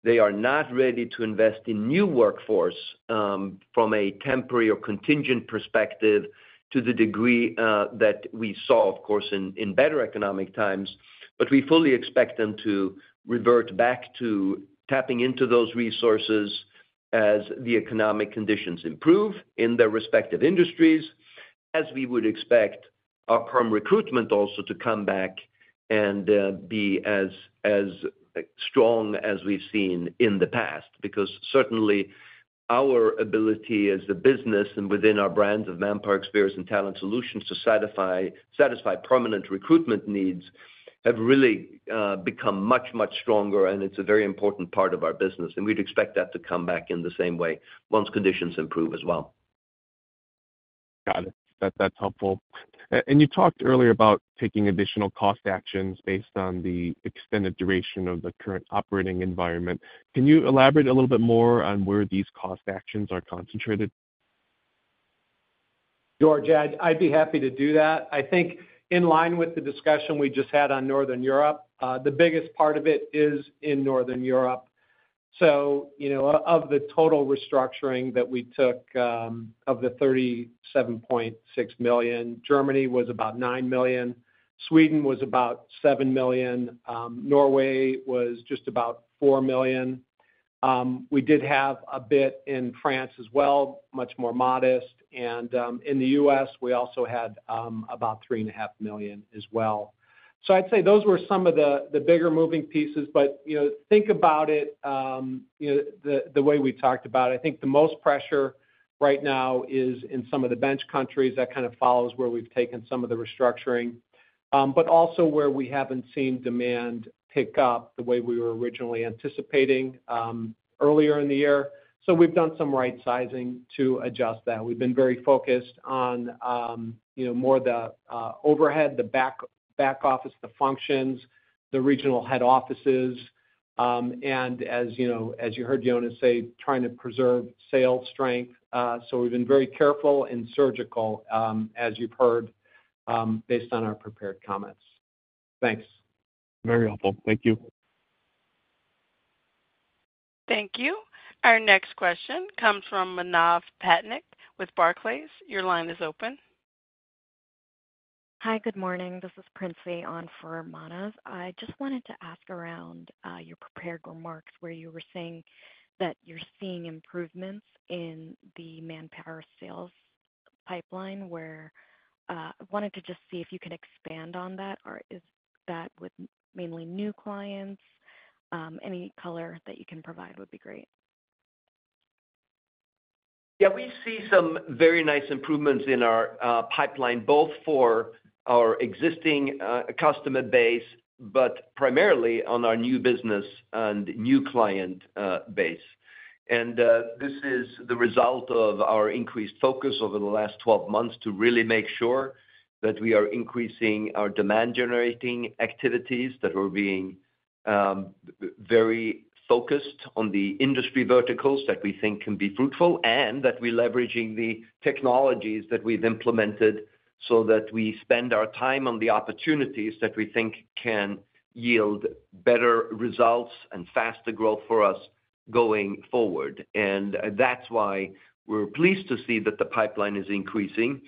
They are not ready to invest in new workforce from a temporary or contingent perspective, to the degree that we saw, of course, in better economic times. But we fully expect them to revert back to tapping into those resources as the economic conditions improve in their respective industries, as we would expect our perm recruitment also to come back and be as strong as we've seen in the past. Because certainly, our ability as a business and within our brands of Manpower, Experis and Talent Solutions to satisfy permanent recruitment needs, have really, become much, much stronger, and it's a very important part of our business, and we'd expect that to come back in the same way once conditions improve as well.
Got it. That, that's helpful. And you talked earlier about taking additional cost actions based on the extended duration of the current operating environment. Can you elaborate a little bit more on where these cost actions are concentrated?
George, I'd be happy to do that. I think in line with the discussion we just had on Northern Europe, the biggest part of it is in Northern Europe. So, you know, of the total restructuring that we took, of the $37.6 million, Germany was about $9 million, Sweden was about $7 million, Norway was just about $4 million. We did have a bit in France as well, much more modest. And, in the U.S., we also had about $3.5 million as well. So I'd say those were some of the bigger moving pieces. But, you know, think about it, you know, the way we talked about it, I think the most pressure right now is in some of the bench countries. That kind of follows where we've taken some of the restructuring, but also where we haven't seen demand pick up the way we were originally anticipating, earlier in the year. So we've done some right sizing to adjust that. We've been very focused on, you know, more the overhead, the back office, the functions, the regional head offices, and as you know, as you heard Jonas say, trying to preserve sales strength. So we've been very careful and surgical, as you've heard, based on our prepared comments. Thanks.
Very helpful. Thank you.
Thank you. Our next question comes from Manav Patnaik with Barclays. Your line is open.
Hi, good morning. This is Princy on for Manav. I just wanted to ask around your prepared remarks, where you were saying that you're seeing improvements in the Manpower sales pipeline, where I wanted to just see if you could expand on that, or is that with mainly new clients? Any color that you can provide would be great.
Yeah, we see some very nice improvements in our pipeline, both for our existing customer base, but primarily on our new business and new client base. And this is the result of our increased focus over the last twelve months to really make sure that we are increasing our demand-generating activities, that we're being very focused on the industry verticals that we think can be fruitful, and that we're leveraging the technologies that we've implemented so that we spend our time on the opportunities that we think can yield better results and faster growth for us going forward. And that's why we're pleased to see that the pipeline is increasing.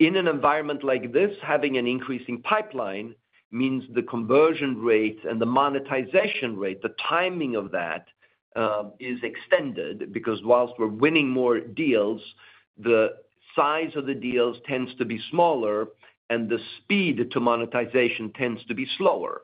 In an environment like this, having an increasing pipeline means the conversion rate and the monetization rate, the timing of that is extended, because while we're winning more deals, the size of the deals tends to be smaller, and the speed to monetization tends to be slower,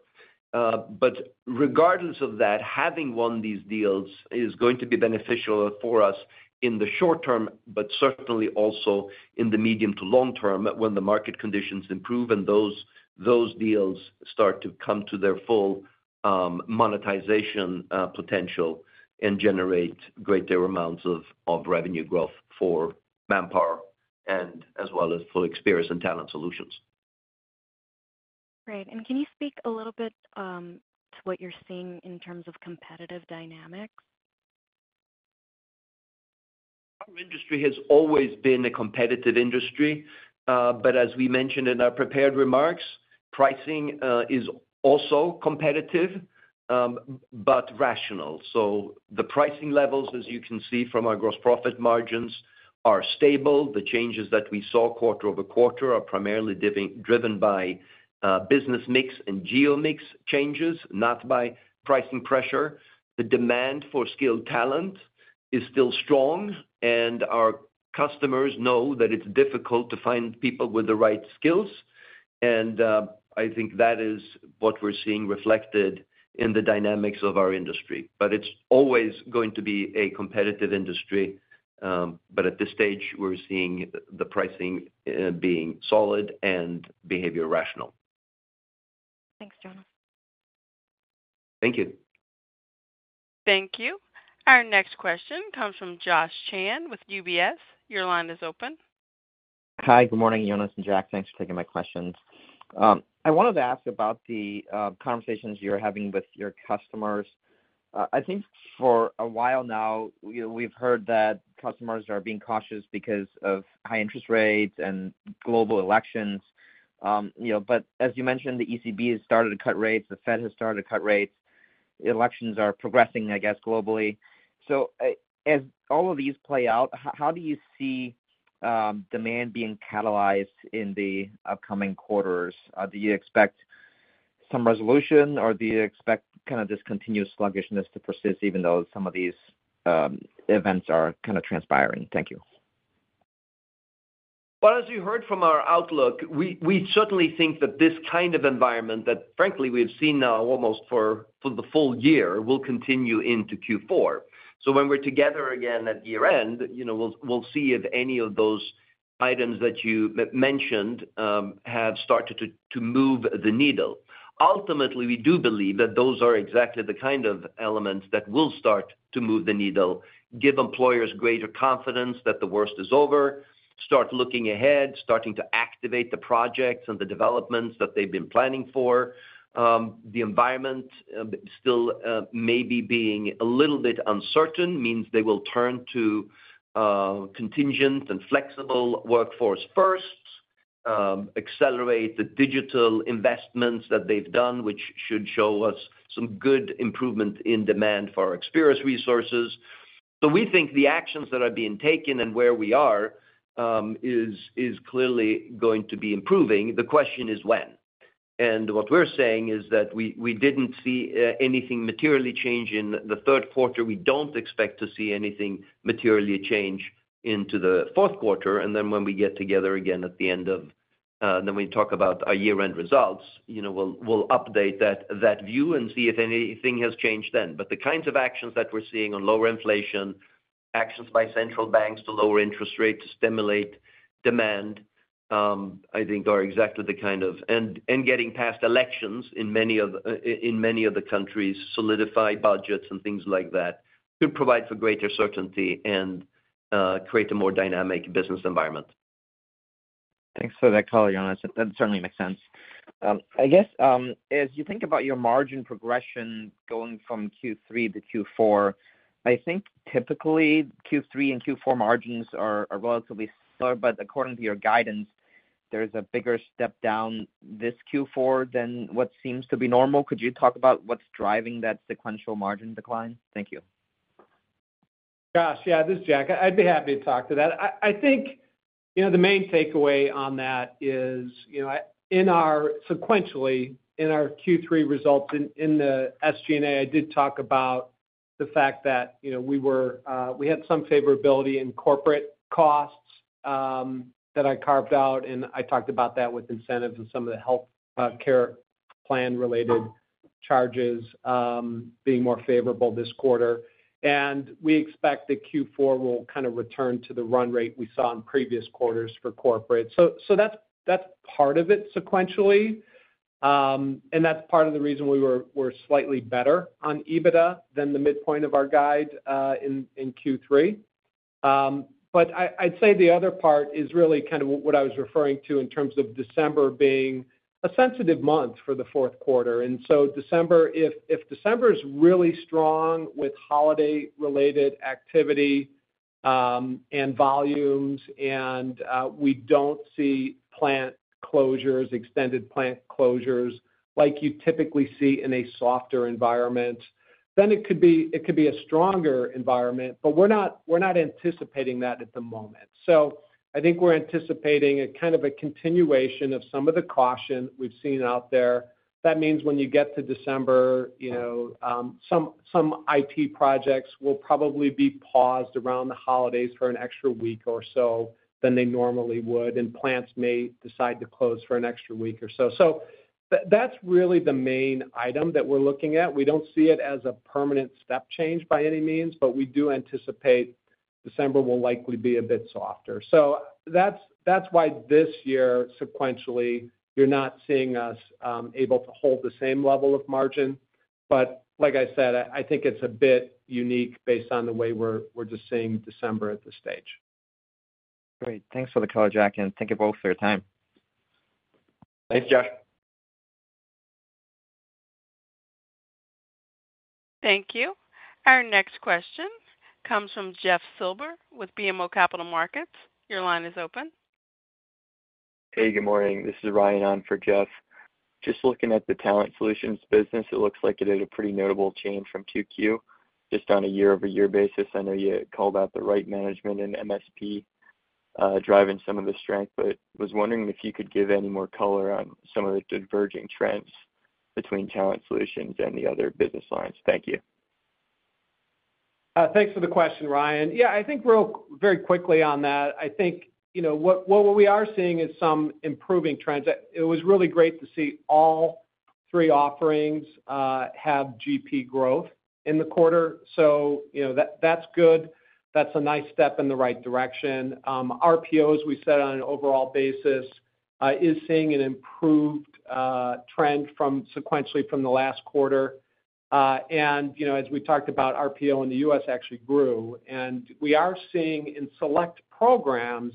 but regardless of that, having won these deals is going to be beneficial for us in the short term, but certainly also in the medium to long term, when the market conditions improve and those, those deals start to come to their full monetization potential and generate greater amounts of revenue growth for Manpower and as well as for Experis and Talent Solutions.
Great. Can you speak a little bit to what you're seeing in terms of competitive dynamics?
Our industry has always been a competitive industry, but as we mentioned in our prepared remarks, pricing is also competitive, but rational. So the pricing levels, as you can see from our gross profit margins, are stable. The changes that we saw quarter over quarter are primarily driven by business mix and geo mix changes, not by pricing pressure. The demand for skilled talent is still strong, and our customers know that it's difficult to find people with the right skills. And I think that is what we're seeing reflected in the dynamics of our industry. But it's always going to be a competitive industry, but at this stage, we're seeing the pricing being solid and behavior rational.
Thanks, Jonas.
Thank you.
Thank you. Our next question comes from Josh Chan with UBS. Your line is open.
Hi, good morning, Jonas and Jack. Thanks for taking my questions. I wanted to ask about the conversations you're having with your customers. I think for a while now, we've heard that customers are being cautious because of high interest rates and global elections. You know, but as you mentioned, the ECB has started to cut rates, the Fed has started to cut rates, elections are progressing, I guess, globally. So, as all of these play out, how do you see demand being catalyzed in the upcoming quarters? Do you expect some resolution, or do you expect kind of this continuous sluggishness to persist, even though some of these events are kind of transpiring? Thank you.
As you heard from our outlook, we certainly think that this kind of environment that, frankly, we've seen now almost for the full year will continue into Q4. So when we're together again at year-end, you know, we'll see if any of those items that you mentioned have started to move the needle. Ultimately, we do believe that those are exactly the kind of elements that will start to move the needle, give employers greater confidence that the worst is over, start looking ahead, starting to activate the projects and the developments that they've been planning for. The environment still maybe being a little bit uncertain means they will turn to contingent and flexible workforce first, accelerate the digital investments that they've done, which should show us some good improvement in demand for our Experis resources. So we think the actions that are being taken and where we are is clearly going to be improving. The question is when? And what we're saying is that we didn't see anything materially change in the third quarter. We don't expect to see anything materially change into the fourth quarter. And then when we get together again at the end of then we talk about our year-end results, you know, we'll update that view and see if anything has changed then. But the kinds of actions that we're seeing on lower inflation, actions by central banks to lower interest rates to stimulate demand, I think are exactly the kind of and getting past elections in many of the countries, solidify budgets and things like that, could provide for greater certainty and create a more dynamic business environment.
Thanks for that color, Jonas. That certainly makes sense. I guess, as you think about your margin progression going from Q3 to Q4, I think typically, Q3 and Q4 margins are relatively slower, but according to your guidance, there's a bigger step down this Q4 than what seems to be normal. Could you talk about what's driving that sequential margin decline? Thank you.
Josh. Yeah, this is Jack. I'd be happy to talk to that. I think, you know, the main takeaway on that is, you know, in our Q3 results sequentially in the SG&A, I did talk about the fact that, you know, we had some favorability in corporate costs that I carved out, and I talked about that with incentives and some of the health care plan-related charges being more favorable this quarter. And we expect that Q4 will kind of return to the run rate we saw in previous quarters for corporate. So that's part of it sequentially. And that's part of the reason we're slightly better on EBITDA than the midpoint of our guide in Q3. But I'd say the other part is really kind of what I was referring to in terms of December being a sensitive month for the fourth quarter. And so December, if December is really strong with holiday-related activity, and volumes, and we don't see plant closures, extended plant closures, like you typically see in a softer environment, then it could be a stronger environment, but we're not anticipating that at the moment. So I think we're anticipating a kind of a continuation of some of the caution we've seen out there. That means when you get to December, you know, some IT projects will probably be paused around the holidays for an extra week or so than they normally would, and plants may decide to close for an extra week or so. So that's really the main item that we're looking at. We don't see it as a permanent step change by any means, but we do anticipate December will likely be a bit softer. So that's why this year, sequentially, you're not seeing us able to hold the same level of margin. But like I said, I think it's a bit unique based on the way we're just seeing December at this stage.
Great. Thanks for the color, Jack, and thank you both for your time.
Thanks, Josh.
Thank you. Our next question comes from Jeff Silber with BMO Capital Markets. Your line is open. Hey, good morning. This is Ryan on for Jeff. Just looking at the Talent Solutions business, it looks like it had a pretty notable change from 2Q, just on a year-over-year basis. I know you called out the Right Management and MSP driving some of the strength, but was wondering if you could give any more color on some of the diverging trends between Talent Solutions and the other business lines. Thank you.
Thanks for the question, Ryan. Yeah, I think really, very quickly on that, I think, you know, what, what we are seeing is some improving trends. It was really great to see all three offerings have GP growth in the quarter. So, you know, that's good. That's a nice step in the right direction. RPO, as we said, on an overall basis, is seeing an improved trend sequentially from the last quarter. And, you know, as we talked about, RPO in the U.S. actually grew, and we are seeing in select programs,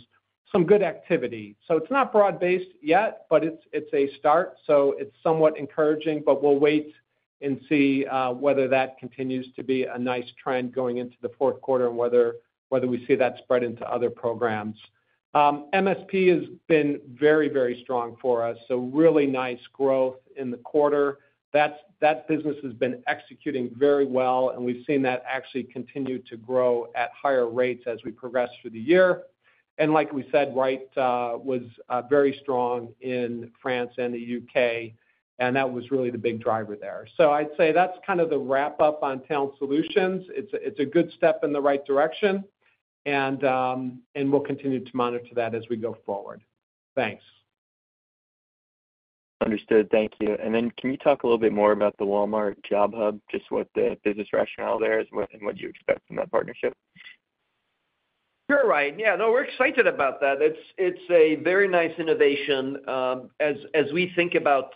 some good activity. So it's not broad-based yet, but it's a start, so it's somewhat encouraging, but we'll wait and see whether that continues to be a nice trend going into the fourth quarter and whether we see that spread into other programs. MSP has been very, very strong for us, so really nice growth in the quarter. That business has been executing very well, and we've seen that actually continue to grow at higher rates as we progress through the year. And like we said, Right was very strong in France and the U.K., and that was really the big driver there. So I'd say that's kind of the wrap up on Talent Solutions. It's a good step in the right direction, and we'll continue to monitor that as we go forward. Thanks. Understood. Thank you. And then, can you talk a little bit more about the Walmart Job Hub, just what the business rationale there is and what you expect from that partnership?
Sure, Ryan. Yeah, no, we're excited about that. It's a very nice innovation. As we think about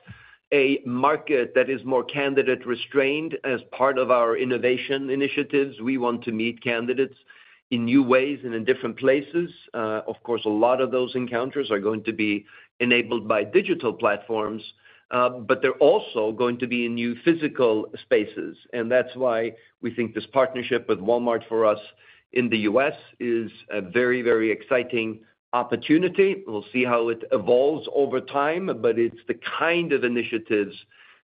a market that is more candidate restrained as part of our innovation initiatives, we want to meet candidates in new ways and in different places. Of course, a lot of those encounters are going to be enabled by digital platforms, but they're also going to be in new physical spaces. And that's why we think this partnership with Walmart for us in the U.S. is a very, very exciting opportunity. We'll see how it evolves over time, but it's the kind of initiatives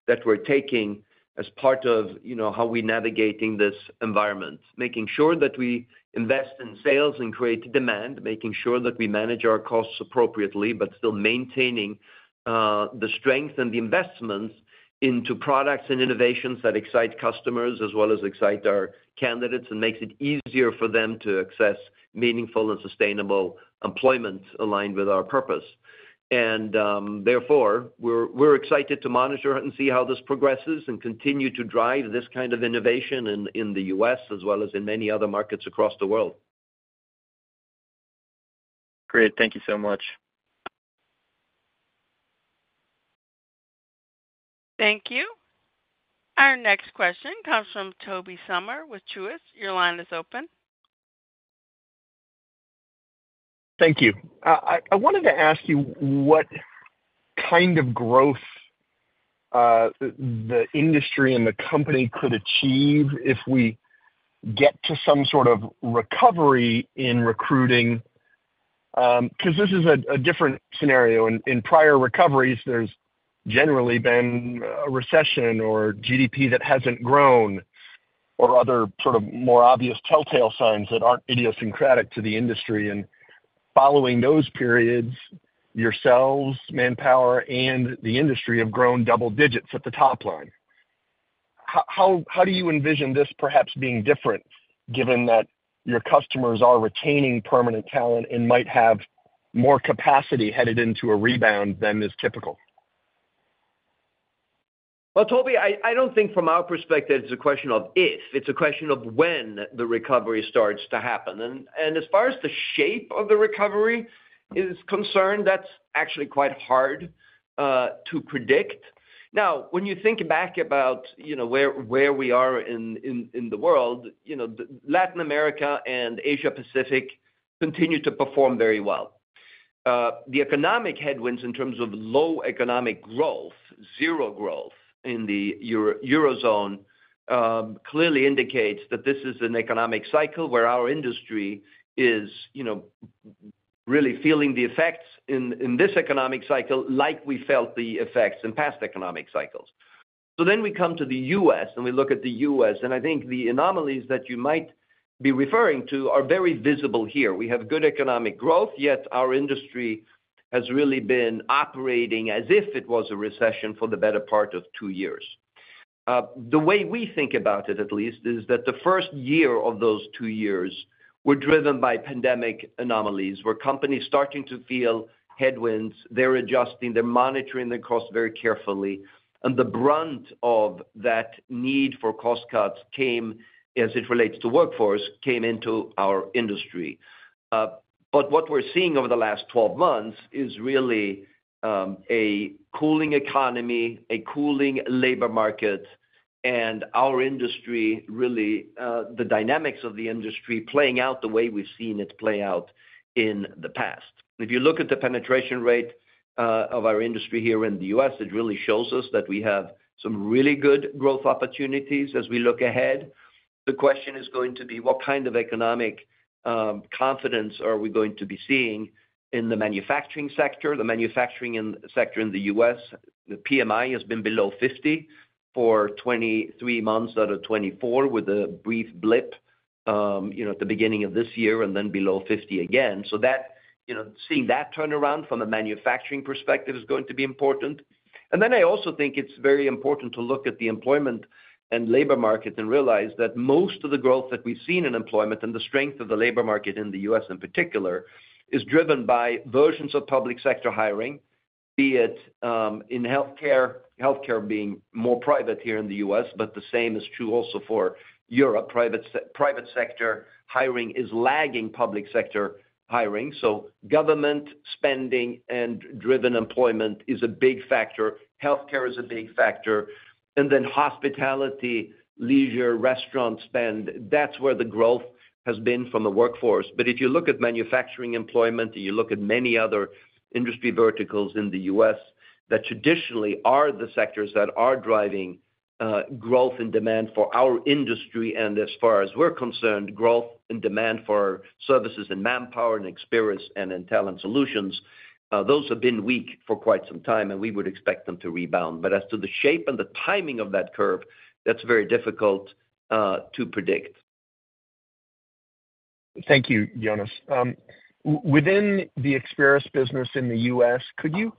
that we're taking as part of, you know, how we're navigating this environment. Making sure that we invest in sales and create demand, making sure that we manage our costs appropriately, but still maintaining the strength and the investments into products and innovations that excite customers, as well as excite our candidates, and makes it easier for them to access meaningful and sustainable employment aligned with our purpose. And, therefore, we're excited to monitor and see how this progresses and continue to drive this kind of innovation in the U.S., as well as in many other markets across the world.... Great. Thank you so much.
Thank you. Our next question comes from Tobey Sommer with Truist. Your line is open.
Thank you. I wanted to ask you what kind of growth the industry and the company could achieve if we get to some sort of recovery in recruiting? Because this is a different scenario. In prior recoveries, there's generally been a recession or GDP that hasn't grown, or other sort of more obvious telltale signs that aren't idiosyncratic to the industry. And following those periods, yourselves, Manpower, and the industry have grown double digits at the top line. How do you envision this perhaps being different, given that your customers are retaining permanent talent and might have more capacity headed into a rebound than is typical?
Tobey, I don't think from our perspective, it's a question of if, it's a question of when the recovery starts to happen. As far as the shape of the recovery is concerned, that's actually quite hard to predict. Now, when you think back about, you know, where we are in the world, you know, Latin America and Asia Pacific continue to perform very well. The economic headwinds in terms of low economic growth, zero growth in the Eurozone clearly indicates that this is an economic cycle where our industry is, you know, really feeling the effects in this economic cycle like we felt the effects in past economic cycles. Then we come to the U.S., and we look at the U.S., and I think the anomalies that you might be referring to are very visible here. We have good economic growth, yet our industry has really been operating as if it was a recession for the better part of two years. The way we think about it, at least, is that the first year of those two years were driven by pandemic anomalies, where companies starting to feel headwinds. They're adjusting, they're monitoring their costs very carefully, and the brunt of that need for cost cuts came, as it relates to workforce, into our industry, but what we're seeing over the last twelve months is really a cooling economy, a cooling labor market, and our industry really the dynamics of the industry playing out the way we've seen it play out in the past. If you look at the penetration rate of our industry here in the U.S., it really shows us that we have some really good growth opportunities as we look ahead. The question is going to be: What kind of economic confidence are we going to be seeing in the manufacturing sector? The manufacturing sector in the U.S., the PMI has been below 50 for 23 months out of 24, with a brief blip, you know, at the beginning of this year and then below 50 again. So that, you know, seeing that turnaround from a manufacturing perspective is going to be important. and then I also think it's very important to look at the employment and labor market and realize that most of the growth that we've seen in employment and the strength of the labor market in the U.S., in particular, is driven by versions of public sector hiring, be it, in healthcare, healthcare being more private here in the U.S., but the same is true also for Europe. Private sector hiring is lagging public sector hiring, so government spending and driven employment is a big factor. Healthcare is a big factor, and then hospitality, leisure, restaurant spend, that's where the growth has been from the workforce. But if you look at manufacturing employment and you look at many other industry verticals in the U.S., that traditionally are the sectors that are driving, growth and demand for our industry, and as far as we're concerned, growth and demand for services in Manpower and Experis and in Talent Solutions, those have been weak for quite some time, and we would expect them to rebound. But as to the shape and the timing of that curve, that's very difficult, to predict.
Thank you, Jonas. Within the Experis business in the U.S., could you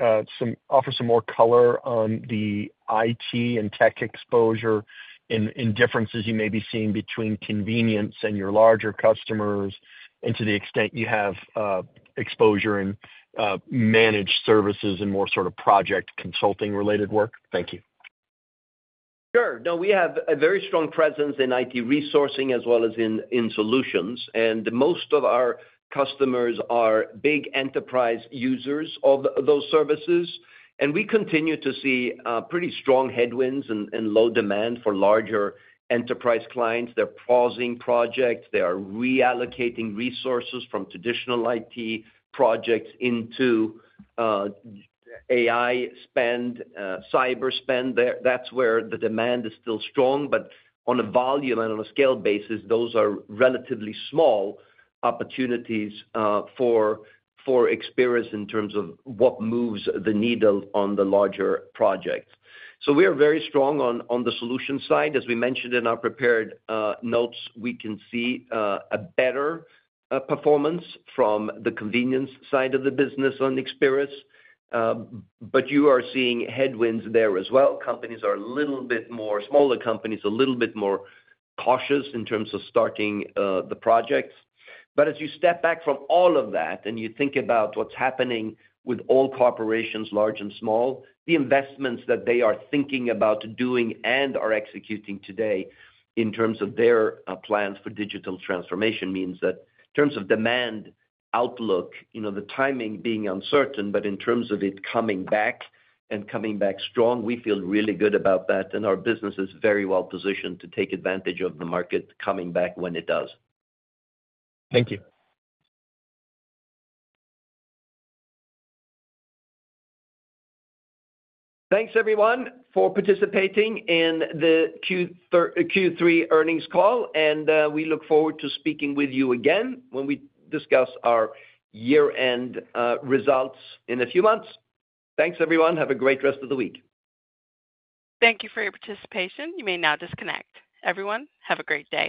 offer some more color on the IT and tech exposure and differences you may be seeing between convenience and your larger customers, and to the extent you have exposure in managed services and more sort of project consulting-related work? Thank you.
Sure. No, we have a very strong presence in IT resourcing as well as in solutions, and most of our customers are big enterprise users of those services. And we continue to see pretty strong headwinds and low demand for larger enterprise clients. They're pausing projects. They are reallocating resources from traditional IT projects into AI spend, cyber spend. That's where the demand is still strong. But on a volume and on a scale basis, those are relatively small opportunities for Experis in terms of what moves the needle on the larger projects. So we are very strong on the solution side. As we mentioned in our prepared notes, we can see a better performance from the convenience side of the business on Experis, but you are seeing headwinds there as well. Companies are a little bit more, smaller companies, a little bit more cautious in terms of starting the projects, but as you step back from all of that, and you think about what's happening with all corporations, large and small, the investments that they are thinking about doing and are executing today in terms of their plans for digital transformation means that in terms of demand outlook, you know, the timing being uncertain, but in terms of it coming back and coming back strong, we feel really good about that, and our business is very well positioned to take advantage of the market coming back when it does.
Thank you.
Thanks, everyone, for participating in the Q3 earnings call, and we look forward to speaking with you again when we discuss our year-end results in a few months. Thanks, everyone. Have a great rest of the week.
Thank you for your participation. You may now disconnect. Everyone, have a great day.